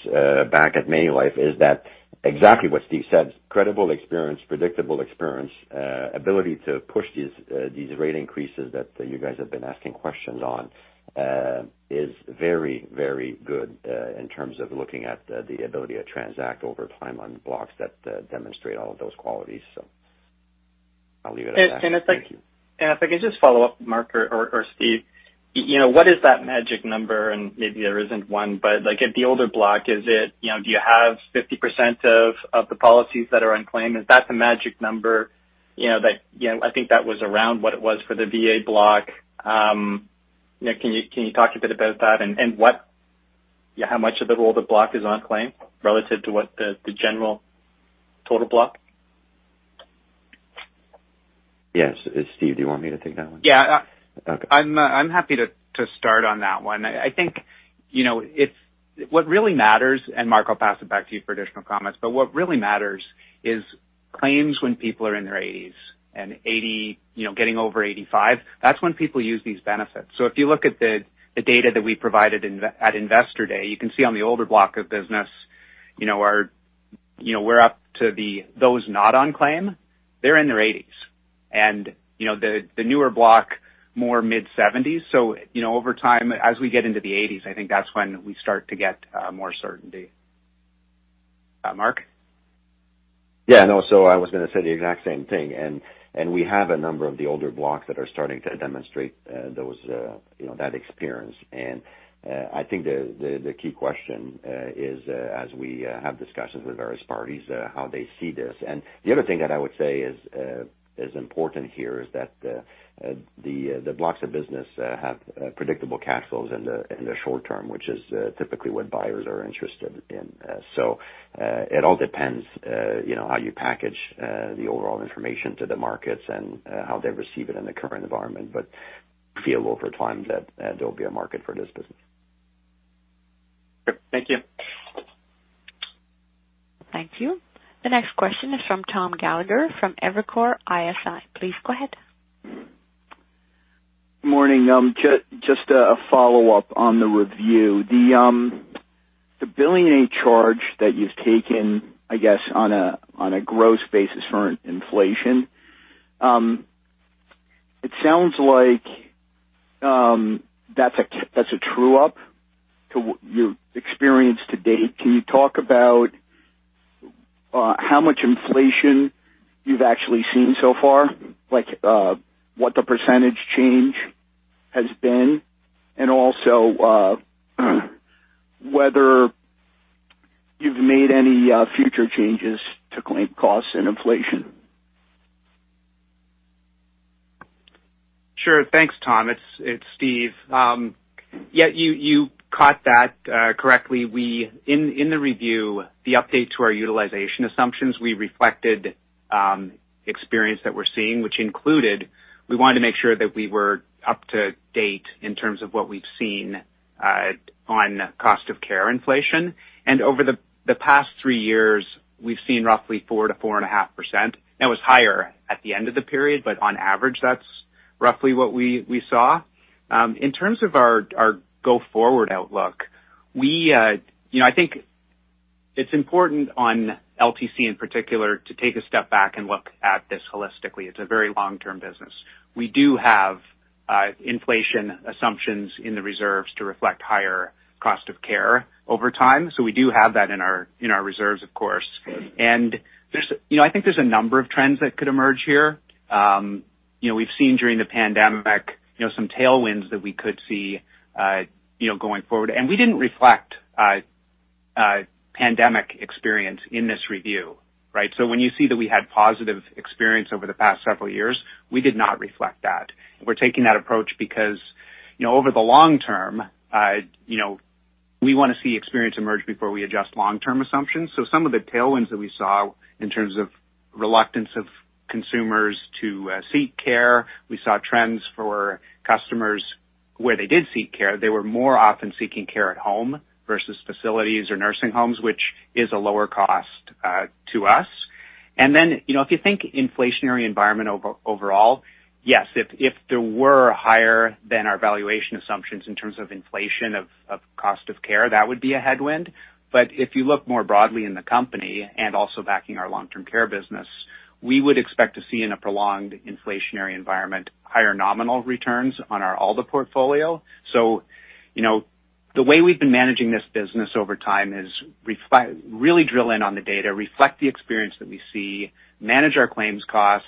S11: back at Manulife is that exactly what Steve said, credible experience, predictable experience, ability to push these rate increases that you guys have been asking questions on is very, very good in terms of looking at the ability to transact over time on blocks that demonstrate all of those qualities. I'll leave it at that. Thank you.
S10: If I can just follow up, Marc or Steve, you know, what is that magic number? Maybe there isn't one, but like, at the older block, is it, you know, do you have 50% of the policies that are unclaimed? If that's a magic number, you know, I think that was around what it was for the VA block. You know, can you talk a bit about that and what, how much of the older block is on claim relative to what the general total block?
S11: Yes. Steve, do you want me to take that one?
S5: Yeah.
S11: Okay.
S5: I'm happy to start on that one. I think, you know, if what really matters, and Marc, I'll pass it back to you for additional comments, but what really matters is claims when people are in their 80s, you know, getting over 85, that's when people use these benefits. If you look at the data that we provided at Investor Day, you can see on the older block of business, you know, we're up to those not on claim, they're in their 80s. You know, the newer block, more mid-70s. You know, over time, as we get into the 80s, I think that's when we start to get more certainty. Marc?
S11: Yeah, no. I was gonna say the exact same thing. We have a number of the older blocks that are starting to demonstrate those, you know, that experience. I think the key question is, as we have discussions with various parties, how they see this. The other thing that I would say is important here is that the blocks of business have predictable cash flows in the short term, which is typically what buyers are interested in. It all depends, you know, how you package the overall information to the markets and how they receive it in the current environment, but feel over time that there'll be a market for this business.
S10: Thank you.
S1: Thank you. The next question is from Tom Gallagher from Evercore ISI. Please go ahead.
S12: Morning. Just a follow-up on the review. The one billion dollar charge that you've taken, I guess, on a gross basis for inflation, it sounds like that's a true up to your experience to date. Can you talk about how much inflation you've actually seen so far, like what the percentage change has been, and also whether you've made any future changes to claim costs and inflation?
S5: Sure. Thanks, Tom. It's Steve. Yeah, you caught that correctly. In the review, the update to our utilization assumptions, we reflected experience that we're seeing which included we wanted to make sure that we were up to date in terms of what we've seen on cost of care inflation. Over the past three years, we've seen roughly 4%-4.5%. That was higher at the end of the period, but on average, that's roughly what we saw. In terms of our go-forward outlook, you know, I think it's important on LTC in particular to take a step back and look at this holistically. It's a very long-term business. We do have inflation assumptions in the reserves to reflect higher cost of care over time. We do have that in our reserves, of course. There's, you know, I think there's a number of trends that could emerge here. You know, we've seen during the pandemic, you know, some tailwinds that we could see, you know, going forward. We didn't reflect pandemic experience in this review, right? When you see that we had positive experience over the past several years, we did not reflect that. We're taking that approach because, you know, over the long term, you know, we wanna see experience emerge before we adjust long-term assumptions. Some of the tailwinds that we saw in terms of reluctance of consumers to seek care, we saw trends for customers where they did seek care, they were more often seeking care at home versus facilities or nursing homes, which is a lower cost to us. Then, you know, if you think inflationary environment overall, yes, if there were higher than our valuation assumptions in terms of inflation of cost of care, that would be a headwind. If you look more broadly in the company and also backing our long-term care business, we would expect to see in a prolonged inflationary environment higher nominal returns on our ALDA portfolio. You know, the way we've been managing this business over time is really drill in on the data, reflect the experience that we see, manage our claims costs.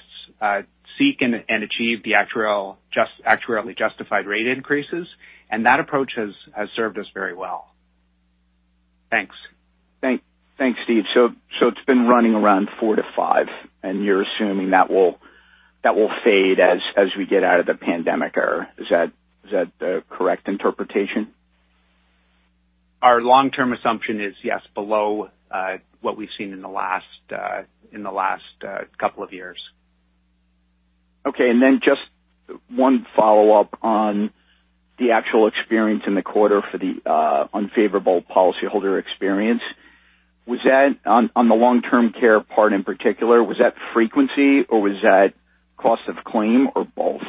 S5: Seek and achieve the actuarially justified rate increases. That approach has served us very well.
S12: Thanks. Thanks Steve. It's been running around 4%-5%, and you're assuming that will fade as we get out of the pandemic era. Is that the correct interpretation?
S5: Our long-term assumption is yes, below what we've seen in the last couple of years.
S12: Okay. Just one follow-up on the actual experience in the quarter for the unfavorable policyholder experience. Was that on the long-term care part in particular, was that frequency, or was that cost of claim or both?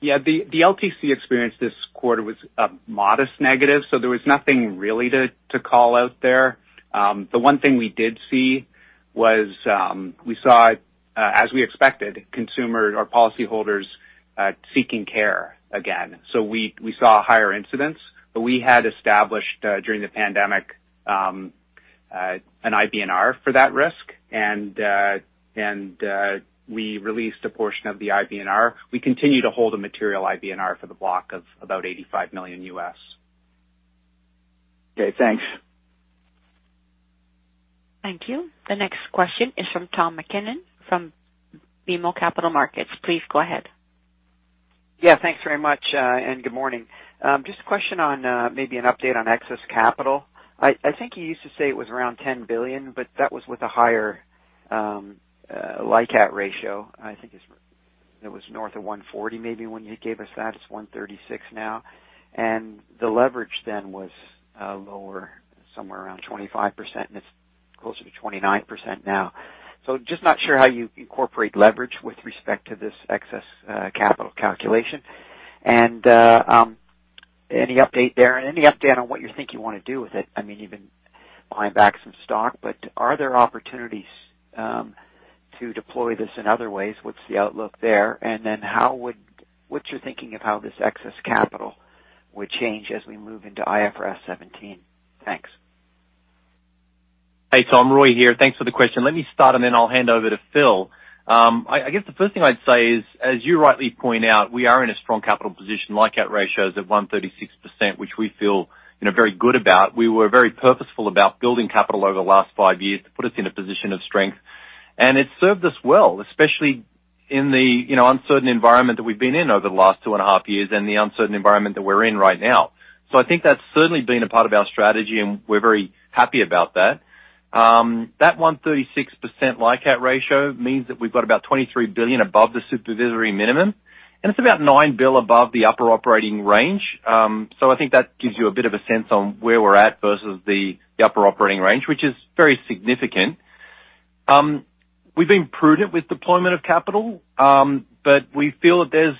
S5: Yeah, the LTC experience this quarter was a modest negative, so there was nothing really to call out there. The one thing we did see was, as we expected, consumers or policyholders seeking care again. We saw higher incidence, but we had established during the pandemic an IBNR for that risk. We released a portion of the IBNR. We continue to hold a material IBNR for the block of about $85 million.
S12: Okay, thanks.
S1: Thank you. The next question is from Tom MacKinnon from BMO Capital Markets. Please go ahead.
S13: Yeah, thanks very much, and good morning. Just a question on maybe an update on excess capital. I think you used to say it was around 10 billion, but that was with a higher LICAT ratio. I think it was north of 140% maybe when you gave us that. It's 136% now. The leverage then was lower, somewhere around 25%, and it's closer to 29% now. Just not sure how you incorporate leverage with respect to this excess capital calculation. Any update there? Any update on what you think you wanna do with it? I mean, you've been buying back some stock, but are there opportunities to deploy this in other ways? What's the outlook there? Then how would, What's your thinking of how this excess capital would change as we move into IFRS 17? Thanks.
S3: Hey, Tom, Roy here. Thanks for the question. Let me start, and then I'll hand over to Phil. I guess the first thing I'd say is, as you rightly point out, we are in a strong capital position, LICAT ratio is at 136%, which we feel, you know, very good about. We were very purposeful about building capital over the last five years to put us in a position of strength. It's served us well, especially in the, you know, uncertain environment that we've been in over the last two and a half years and the uncertain environment that we're in right now. I think that's certainly been a part of our strategy, and we're very happy about that. That 136% LICAT ratio means that we've got about 23 billion above the supervisory minimum, and it's about 9 billion above the upper operating range. So I think that gives you a bit of a sense on where we're at versus the upper operating range, which is very significant. We've been prudent with deployment of capital, but we feel that there's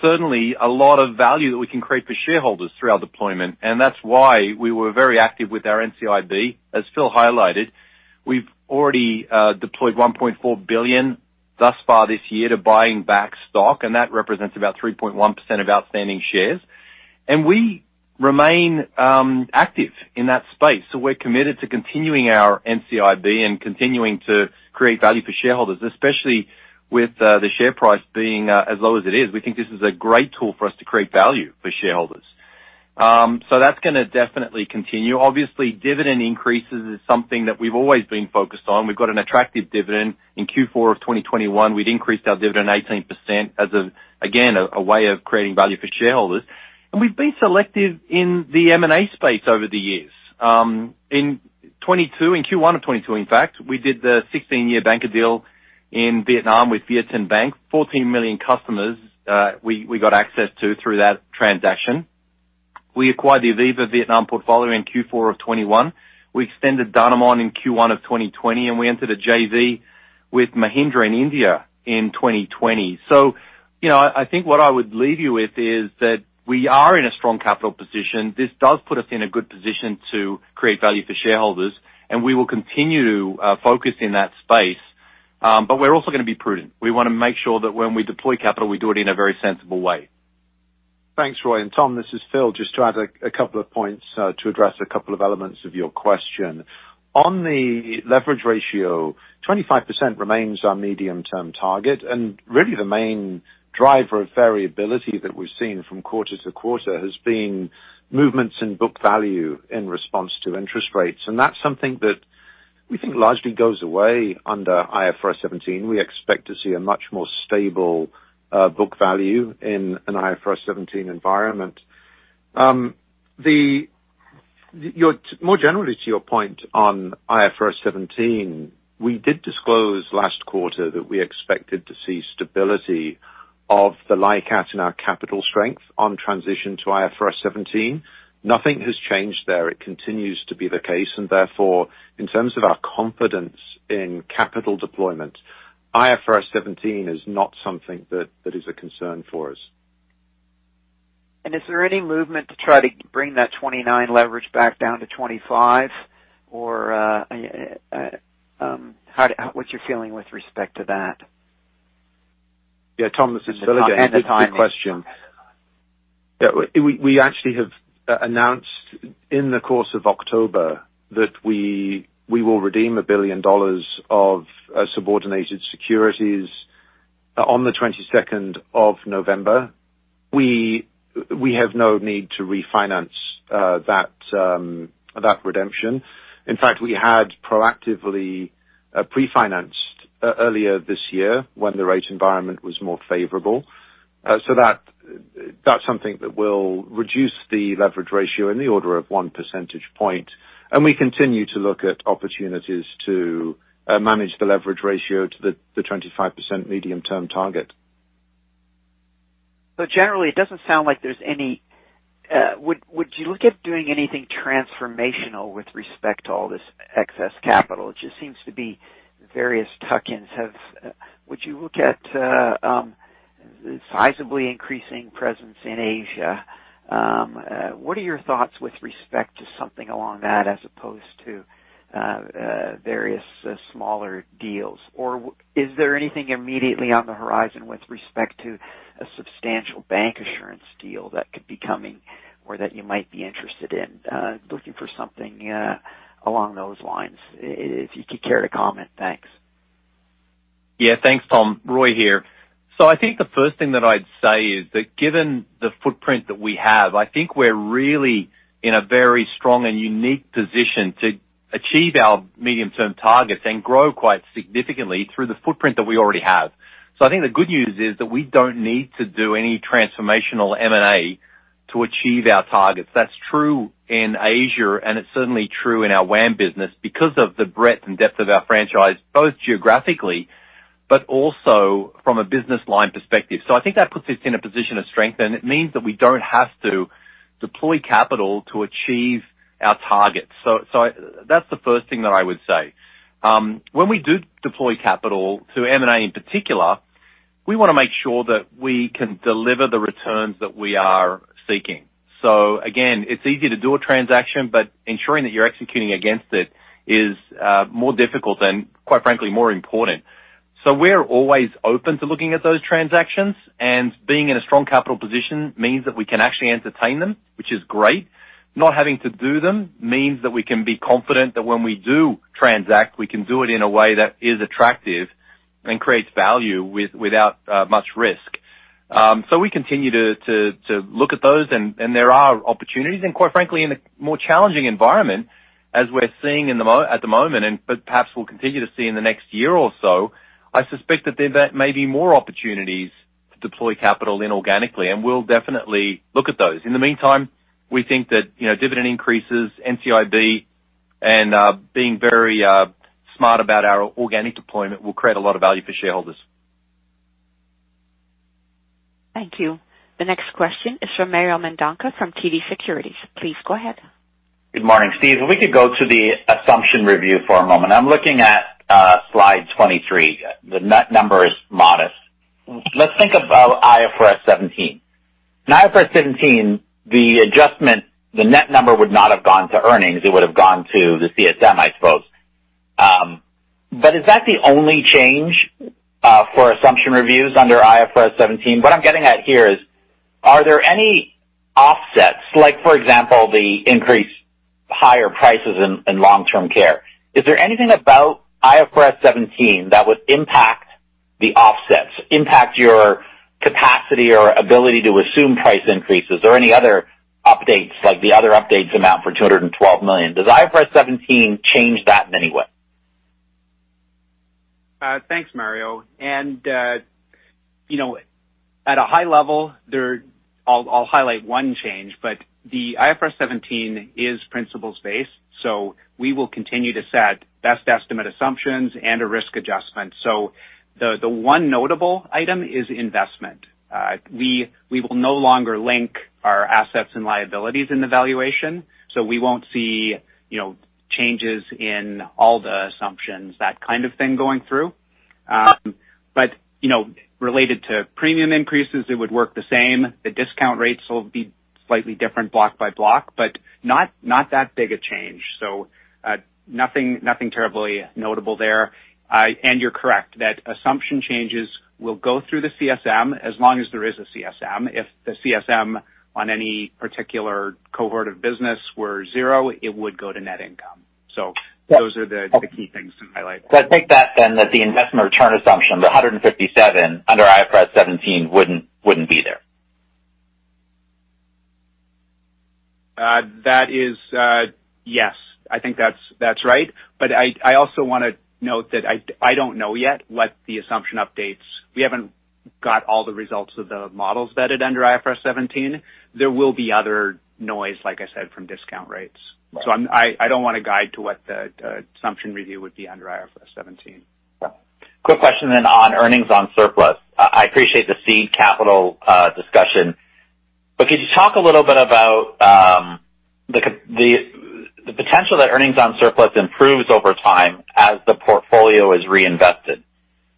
S3: certainly a lot of value that we can create for shareholders through our deployment, and that's why we were very active with our NCIB, as Phil highlighted. We've already deployed 1.4 billion thus far this year to buying back stock, and that represents about 3.1% of outstanding shares. We remain active in that space, so we're committed to continuing our NCIB and continuing to create value for shareholders, especially with the share price being as low as it is. We think this is a great tool for us to create value for shareholders. That's gonna definitely continue. Obviously, dividend increases is something that we've always been focused on. We've got an attractive dividend. In Q4 of 2021, we'd increased our dividend 18% as a way of creating value for shareholders. We've been selective in the M&A space over the years. In 2022, in Q1 of 2022 in fact, we did the sixteen-year bancassurance deal in Vietnam with VietinBank. 14 million customers we got access to through that transaction. We acquired the Aviva Vietnam portfolio in Q4 of 2021. We extended Danamon in Q1 of 2020, and we entered a JV with Mahindra in India in 2020. You know, I think what I would leave you with is that we are in a strong capital position. This does put us in a good position to create value for shareholders, and we will continue to focus in that space. But we're also gonna be prudent. We wanna make sure that when we deploy capital, we do it in a very sensible way.
S4: Thanks, Roy and Tom, this is Phil. Just to add a couple of points to address a couple of elements of your question. On the leverage ratio, 25% remains our medium-term target, and really the main driver of variability that we've seen from quarter to quarter has been movements in book value in response to interest rates. That's something that we think largely goes away under IFRS 17. We expect to see a much more stable book value in an IFRS 17 environment. More generally, to your point on IFRS 17, we did disclose last quarter that we expected to see stability of the LICAT in our capital strength on transition to IFRS 17. Nothing has changed there. It continues to be the case, and therefore, in terms of our confidence in capital deployment, IFRS 17 is not something that is a concern for us.
S13: Is there any movement to try to bring that 29 leverage back down to 25? Or, what's your feeling with respect to that?
S4: Yeah, Tom, this is Phil Witherington. Good question. Yeah, we actually have announced in the course of October that we will redeem 1 billion dollars of subordinated securities on the twenty-second of November. We have no need to refinance that redemption. In fact, we had proactively pre-financed earlier this year when the rate environment was more favorable. So that's something that will reduce the leverage ratio in the order of 1 percentage point. We continue to look at opportunities to manage the leverage ratio to the 25% medium-term target.
S13: Generally, it doesn't sound like there's any. Would you look at doing anything transformational with respect to all this excess capital? It just seems to be various tuck-ins have. Would you look at sizably increasing presence in Asia? What are your thoughts with respect to something along that as opposed to various smaller deals? Is there anything immediately on the horizon with respect to a substantial bancassurance deal that could be coming or that you might be interested in looking for something along those lines, if you could care to comment? Thanks.
S3: Yeah. Thanks, Tom. Roy here. I think the first thing that I'd say is that given the footprint that we have, I think we're really in a very strong and unique position to achieve our medium-term targets and grow quite significantly through the footprint that we already have. I think the good news is that we don't need to do any transformational M&A to achieve our targets. That's true in Asia, and it's certainly true in our WAM business because of the breadth and depth of our franchise, both geographically but also from a business line perspective. I think that puts us in a position of strength, and it means that we don't have to deploy capital to achieve our targets. That's the first thing that I would say. When we do deploy capital to M&A in particular, we wanna make sure that we can deliver the returns that we are seeking. Again, it's easy to do a transaction, but ensuring that you're executing against it is more difficult and, quite frankly, more important. We're always open to looking at those transactions. Being in a strong capital position means that we can actually entertain them, which is great. Not having to do them means that we can be confident that when we do transact, we can do it in a way that is attractive and creates value without much risk. We continue to look at those and there are opportunities. Quite frankly, in a more challenging environment as we're seeing at the moment, but perhaps we'll continue to see in the next year or so, I suspect that there may be more opportunities to deploy capital inorganically, and we'll definitely look at those. In the meantime, we think that, you know, dividend increases, NCIB and being very smart about our organic deployment will create a lot of value for shareholders.
S1: Thank you. The next question is from Mario Mendonca from TD Securities. Please go ahead.
S14: Good morning. Steve, if we could go to the assumption review for a moment. I'm looking at slide 23. The net number is modest. Let's think about IFRS 17. In IFRS 17, the adjustment, the net number would not have gone to earnings, it would have gone to the CSM, I suppose. But is that the only change for assumption reviews under IFRS 17? What I'm getting at here is, are there any offsets, like for example, the increased higher prices in long-term care? Is there anything about IFRS 17 that would impact the offsets, impact your capacity or ability to assume price increases? Are there any other updates like the other updates amount for 212 million? Does IFRS 17 change that in any way?
S5: Thanks, Mario. You know, at a high level there, I'll highlight one change, but the IFRS 17 is principles based. We will continue to set best estimate assumptions and a risk adjustment. The one notable item is investment. We will no longer link our assets and liabilities in the valuation, so we won't see, you know, changes in all the assumptions, that kind of thing going through. You know, related to premium increases, it would work the same. The discount rates will be slightly different block by block, but not that big a change. Nothing terribly notable there. You're correct that assumption changes will go through the CSM as long as there is a CSM. If the CSM on any particular cohort of business were zero, it would go to net income. Those are the key things to highlight.
S14: I take it then that the investment return assumption, the 157 under IFRS 17 wouldn't be there.
S5: Yes, I think that's right. I also wanna note that I don't know yet what the assumption updates. We haven't got all the results of the models vetted under IFRS 17. There will be other noise, like I said, from discount rates.
S14: Right.
S5: I don't wanna guide to what the assumption review would be under IFRS 17.
S14: Quick question on earnings on surplus. I appreciate the seed capital discussion. Could you talk a little bit about the potential that earnings on surplus improves over time as the portfolio is reinvested?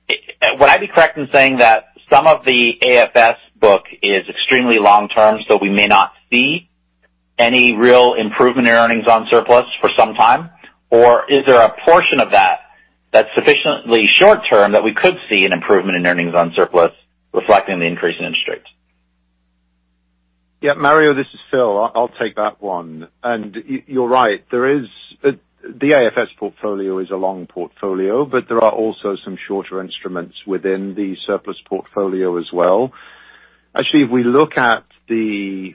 S14: Would I be correct in saying that some of the AFS book is extremely long-term, so we may not see Any real improvement in earnings on surplus for some time? Or is there a portion of that's sufficiently short-term that we could see an improvement in earnings on surplus reflecting the increase in interest?
S4: Yeah, Mario, this is Phil. I'll take that one. You're right. The AFS portfolio is a long portfolio, but there are also some shorter instruments within the surplus portfolio as well. Actually, if we look at the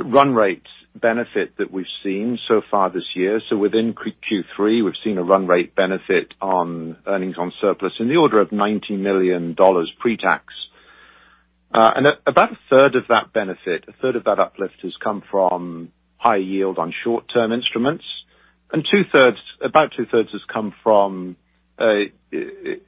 S4: run rate benefit that we've seen so far this year, so within Q3, we've seen a run rate benefit on earnings on surplus in the order of 90 million dollars pre-tax. And about a third of that benefit, a third of that uplift has come from high yield on short-term instruments, and about two-thirds has come from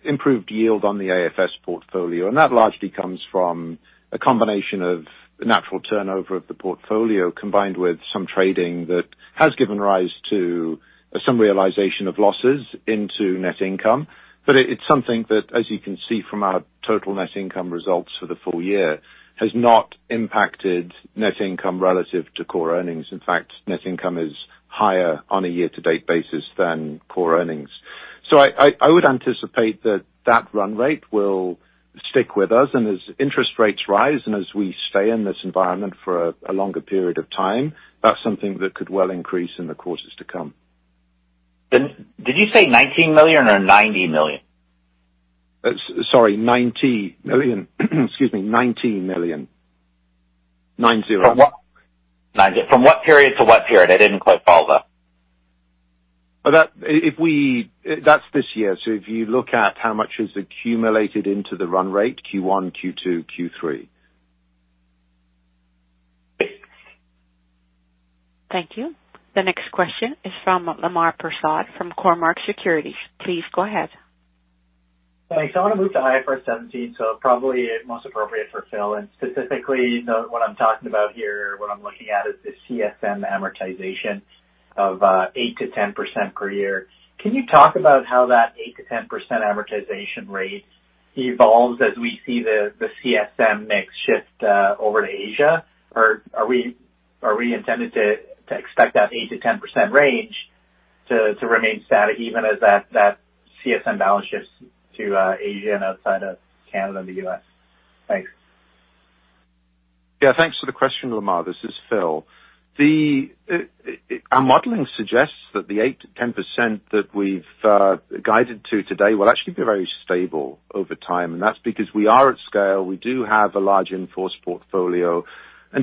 S4: improved yield on the AFS portfolio, and that largely comes from a combination of the natural turnover of the portfolio, combined with some trading that has given rise to some realization of losses into net income. It's something that, as you can see from our total net income results for the full year, has not impacted net income relative to core earnings. In fact, net income is higher on a year-to-date basis than core earnings. I would anticipate that run rate will stick with us, and as interest rates rise and as we stay in this environment for a longer period of time, that's something that could well increase in the quarters to come.
S14: Did you say 19 million or 90 million?
S4: Sorry, 90 million. Excuse me, 90 million. 90.
S14: From what period to what period? I didn't quite follow that.
S4: That's this year. If you look at how much is accumulated into the run rate Q1, Q2, Q3.
S1: Thank you. The next question is from Lemar Persaud from Cormark Securities. Please go ahead.
S15: Thanks. I want to move to IFRS 17, so probably most appropriate for Phil. Specifically, you know, what I'm talking about here, what I'm looking at is the CSM amortization of 8%-10% per year. Can you talk about how that 8%-10% amortization rate evolves as we see the CSM mix shift over to Asia? Or are we intended to expect that 8%-10% range to remain static even as that CSM balance shifts to Asia and outside of Canada and the U.S.? Thanks.
S4: Yeah. Thanks for the question, Lamar. This is Phil. Our modeling suggests that the 8%-10% that we've guided to today will actually be very stable over time, and that's because we are at scale. We do have a large in-force portfolio.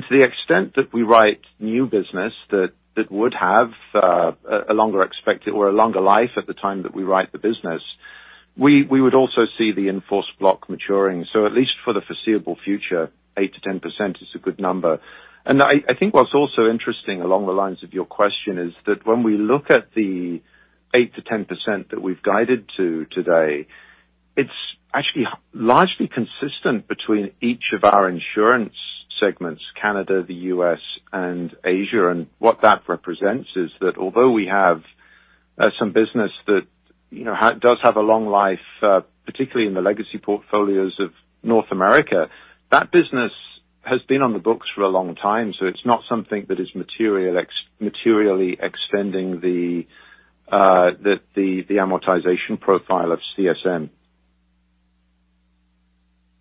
S4: To the extent that we write new business that would have a longer expected or a longer life at the time that we write the business, we would also see the in-force block maturing. At least for the foreseeable future, 8%-10% is a good number. I think what's also interesting along the lines of your question is that when we look at the 8%-10% that we've guided to today, it's actually largely consistent between each of our insurance segments, Canada, the U.S., and Asia. What that represents is that although we have some business that, you know, has a long life, particularly in the legacy portfolios of North America, that business has been on the books for a long time, so it's not something that is materially extending the amortization profile of CSM.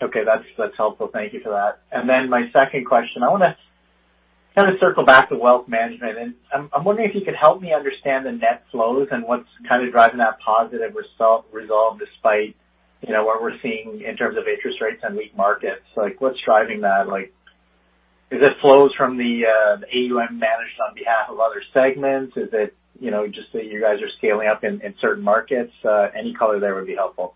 S15: Okay. That's helpful. Thank you for that. My second question, I wanna kind of circle back to wealth management. I'm wondering if you could help me understand the net flows and what's kind of driving that positive result, resilience despite, you know, what we're seeing in terms of interest rates and weak markets. Like, what's driving that? Like, is it flows from the AUM managed on behalf of other segments? Is it, you know, just that you guys are scaling up in certain markets? Any color there would be helpful.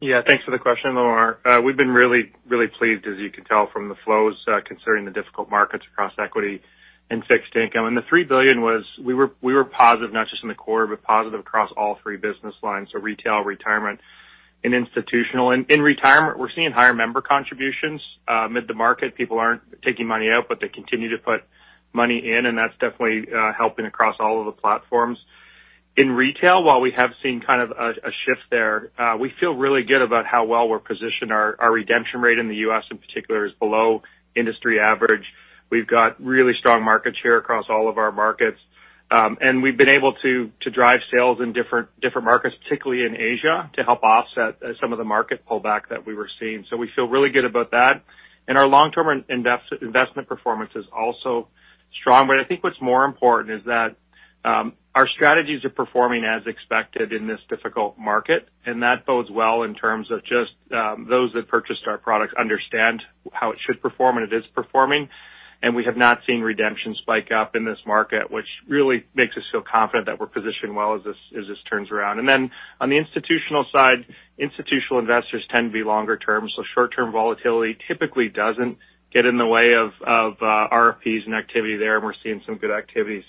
S3: Yeah. Thanks for the question, Lamar. We've been really pleased, as you can tell from the flows, considering the difficult markets across equity and fixed income. The three billion was. We were positive not just in the quarter, but positive across all three business lines, so retail, retirement, and institutional. In retirement, we're seeing higher member contributions. Amid the market, people aren't taking money out, but they continue to put money in, and that's definitely helping across all of the platforms. In retail, while we have seen kind of a shift there, we feel really good about how well we're positioned. Our redemption rate in the U.S. in particular is below industry average. We've got really strong market share across all of our markets. We've been able to to drive sales in different markets, particularly in Asia, to help offset some of the market pullback that we were seeing. We feel really good about that. Our long-term investment performance is also strong. I think what's more important is that our strategies are performing as expected in this difficult market, and that bodes well in terms of just those that purchased our products understand how it should perform, and it is performing. We have not seen redemption spike up in this market, which really makes us feel confident that we're positioned well as this turns around. On the institutional side, institutional investors tend to be longer term, so short-term volatility typically doesn't get in the way of RFPs and activity there, and we're seeing some good activity.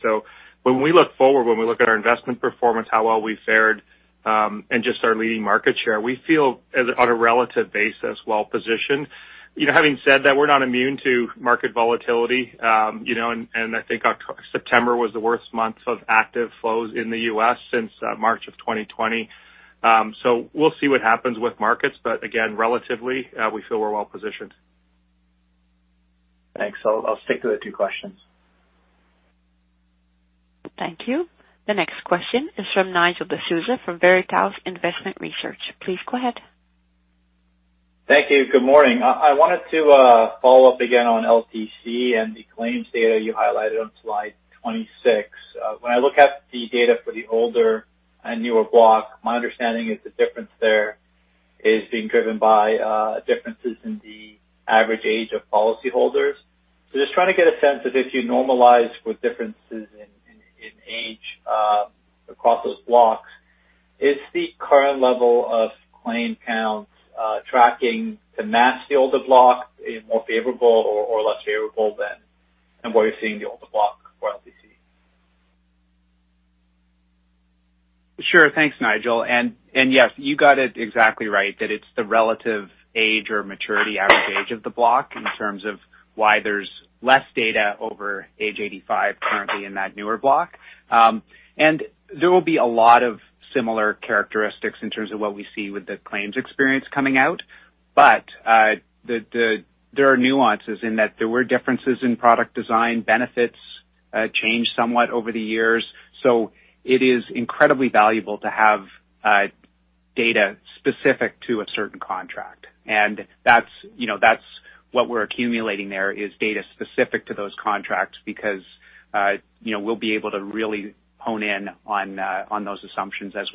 S3: When we look at our investment performance, how well we fared, and just our leading market share, we feel as on a relative basis, well-positioned. You know, having said that, we're not immune to market volatility, you know, and I think our current September was the worst month of active flows in the U.S. since March of 2020. We'll see what happens with markets, but again, relatively, we feel we're well-positioned.
S15: Thanks. I'll stick to the two questions.
S1: Thank you. The next question is from Nigel D'Souza from Veritas Investment Research. Please go ahead.
S16: Thank you. Good morning. I wanted to follow up again on LTC and the claims data you highlighted on slide 26. When I look at the data for the older and newer block, my understanding is the difference there is being driven by differences in the average age of policy holders. Just trying to get a sense if you normalize for differences in age across those blocks, is the current level of claim counts tracking to match the older block in more favorable or less favorable than what you're seeing in the older block for LTC?
S5: Sure. Thanks, Nigel. Yes, you got it exactly right that it's the relative age or maturity average age of the block in terms of why there's less data over age 85 currently in that newer block. There will be a lot of similar characteristics in terms of what we see with the claims experience coming out. There are nuances in that there were differences in product design, benefits, changed somewhat over the years. It is incredibly valuable to have data specific to a certain contract. That's, you know, what we're accumulating there, is data specific to those contracts because, you know, we'll be able to really hone in on those assumptions as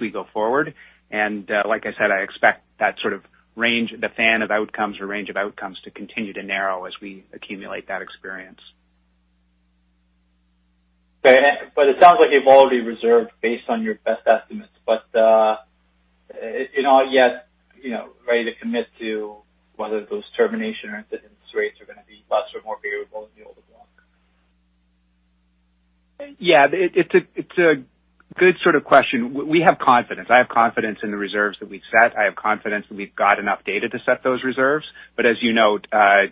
S5: we go forward. Like I said, I expect that sort of range, the fan of outcomes or range of outcomes to continue to narrow as we accumulate that experience.
S16: It sounds like you've already reserved based on your best estimates, but I'm not yet, you know, ready to commit to whether those termination or incidence rates are gonna be less or more favorable in the older block.
S5: Yeah. It's a good sort of question. We have confidence. I have confidence in the reserves that we've set. I have confidence that we've got enough data to set those reserves. As you note, I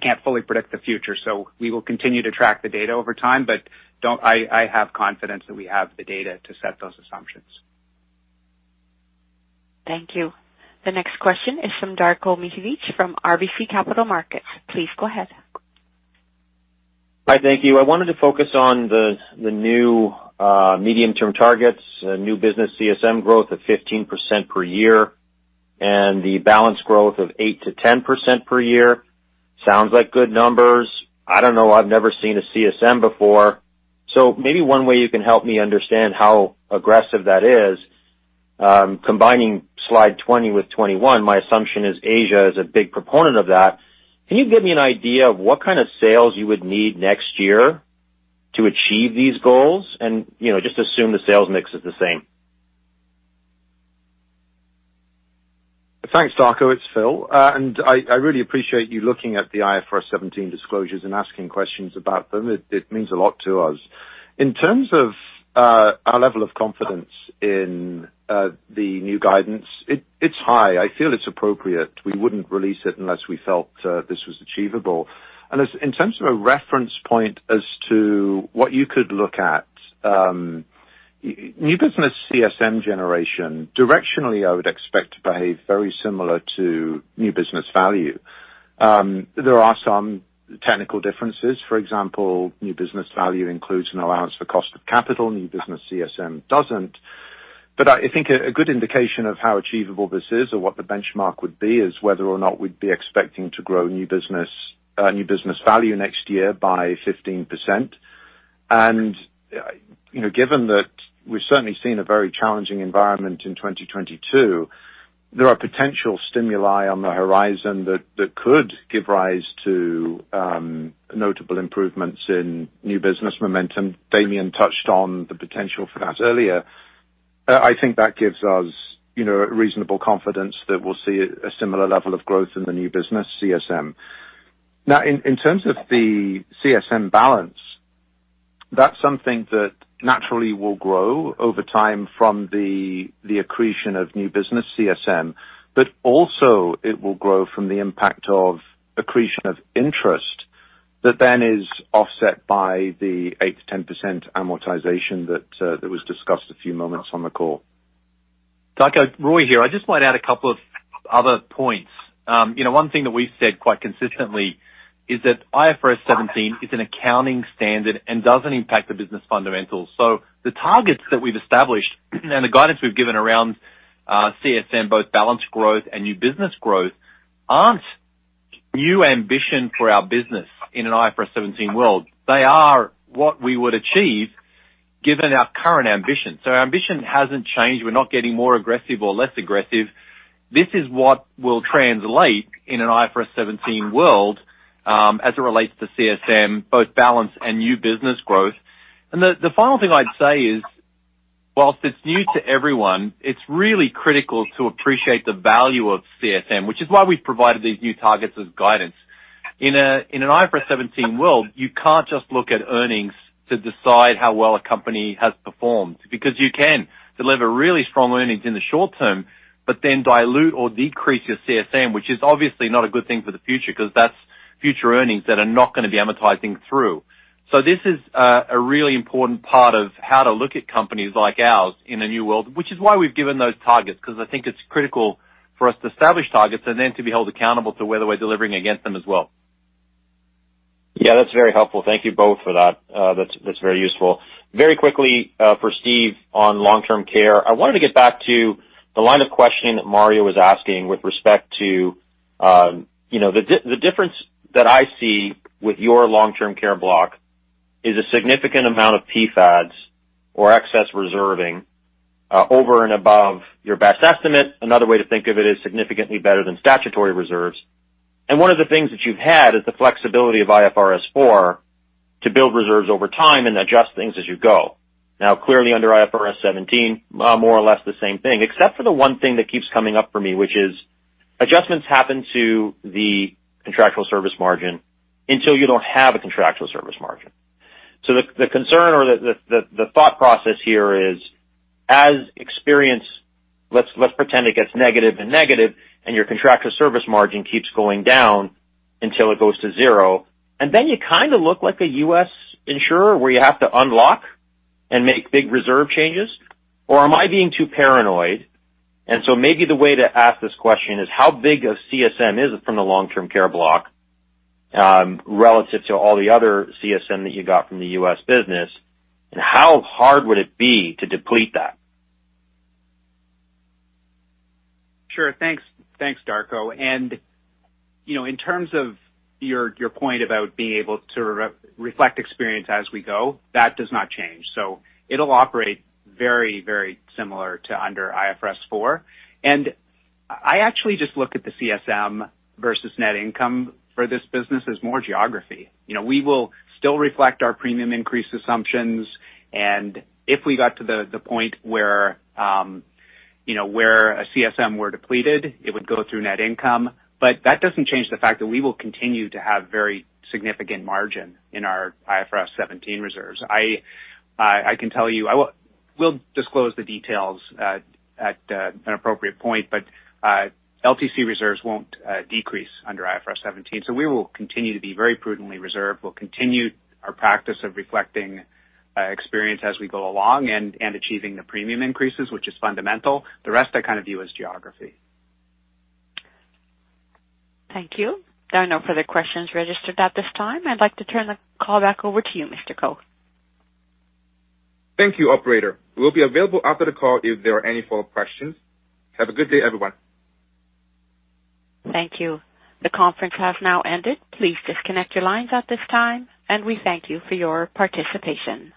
S5: can't fully predict the future, so we will continue to track the data over time. I have confidence that we have the data to set those assumptions.
S1: Thank you. The next question is from Darko Mihelic from RBC Capital Markets. Please go ahead.
S17: Hi. Thank you. I wanted to focus on the new medium-term targets, new business CSM growth at 15% per year, and the balance growth of 8%-10% per year. Sounds like good numbers. I don't know. I've never seen a CSM before. Maybe one way you can help me understand how aggressive that is, combining slide 20 with 21, my assumption is Asia is a big proponent of that. Can you give me an idea of what kind of sales you would need next year to achieve these goals? You know, just assume the sales mix is the same.
S4: Thanks, Darko. It's Phil. I really appreciate you looking at the IFRS 17 disclosures and asking questions about them. It means a lot to us. In terms of our level of confidence in the new guidance, it's high. I feel it's appropriate. We wouldn't release it unless we felt this was achievable. In terms of a reference point as to what you could look at, new business CSM generation, directionally, I would expect to behave very similar to new business value. There are some technical differences. For example, new business value includes an allowance for cost of capital. New business CSM doesn't. I think a good indication of how achievable this is or what the benchmark would be is whether or not we'd be expecting to grow new business value next year by 15%. You know, given that we've certainly seen a very challenging environment in 2022, there are potential stimuli on the horizon that could give rise to notable improvements in new business momentum. Damien touched on the potential for that earlier. I think that gives us, you know, reasonable confidence that we'll see a similar level of growth in the new business CSM. Now, in terms of the CSM balance, that's something that naturally will grow over time from the accretion of new business CSM, but also it will grow from the impact of accretion of interest that then is offset by the 8%-10% amortization that was discussed a few moments on the call.
S3: Darko, Roy here. I just might add a couple of other points. You know, one thing that we've said quite consistently is that IFRS 17 is an accounting standard and doesn't impact the business fundamentals. The targets that we've established and the guidance we've given around CSM, both balance growth and new business growth, aren't new ambition for our business in an IFRS 17 world. They are what we would achieve given our current ambition. Our ambition hasn't changed. We're not getting more aggressive or less aggressive. This is what will translate in an IFRS 17 world, as it relates to CSM, both balance and new business growth. The final thing I'd say is, while it's new to everyone, it's really critical to appreciate the value of CSM, which is why we've provided these new targets as guidance. In an IFRS 17 world, you can't just look at earnings to decide how well a company has performed, because you can deliver really strong earnings in the short term, but then dilute or decrease your CSM, which is obviously not a good thing for the future because that's. Future earnings that are not going to be amortizing through. This is a really important part of how to look at companies like ours in a new world, which is why we've given those targets, because I think it's critical for us to establish targets and then to be held accountable to whether we're delivering against them as well.
S17: Yeah, that's very helpful. Thank you both for that. That's very useful. Very quickly, for Steve on long-term care. I wanted to get back to the line of questioning that Mario was asking with respect to the difference that I see with your long-term care block is a significant amount of PfADs or excess reserving over and above your best estimate. Another way to think of it is significantly better than statutory reserves. One of the things that you've had is the flexibility of IFRS 4 to build reserves over time and adjust things as you go. Now, clearly under IFRS 17, more or less the same thing, except for the one thing that keeps coming up for me, which is adjustments happen to the contractual service margin until you don't have a contractual service margin. The concern or the thought process here is as experience, let's pretend it gets negative, and your contractual service margin keeps going down until it goes to zero. Then you kind of look like a U.S. insurer where you have to unlock and make big reserve changes. Or am I being too paranoid? Maybe the way to ask this question is how big of CSM is it from the long-term care block, relative to all the other CSM that you got from the U.S. business, and how hard would it be to deplete that?
S5: Sure. Thanks. Thanks, Darko. You know, in terms of your point about being able to re-reflect experience as we go, that does not change. It'll operate very, very similar to under IFRS 4. I actually just look at the CSM versus net income for this business as more geographic. You know, we will still reflect our premium increase assumptions. If we got to the point where a CSM were depleted, it would go through net income. That doesn't change the fact that we will continue to have very significant margin in our IFRS 17 reserves. I can tell you we'll disclose the details at an appropriate point, but LTC reserves won't decrease under IFRS 17, so we will continue to be very prudently reserved. We'll continue our practice of reflecting experience as we go along and achieving the premium increases, which is fundamental. The rest I kind of view as geography.
S1: Thank you. There are no further questions registered at this time. I'd like to turn the call back over to you, Mr. Ko.
S2: Thank you, operator. We'll be available after the call if there are any follow-up questions. Have a good day, everyone.
S1: Thank you. The conference has now ended. Please disconnect your lines at this time, and we thank you for your participation.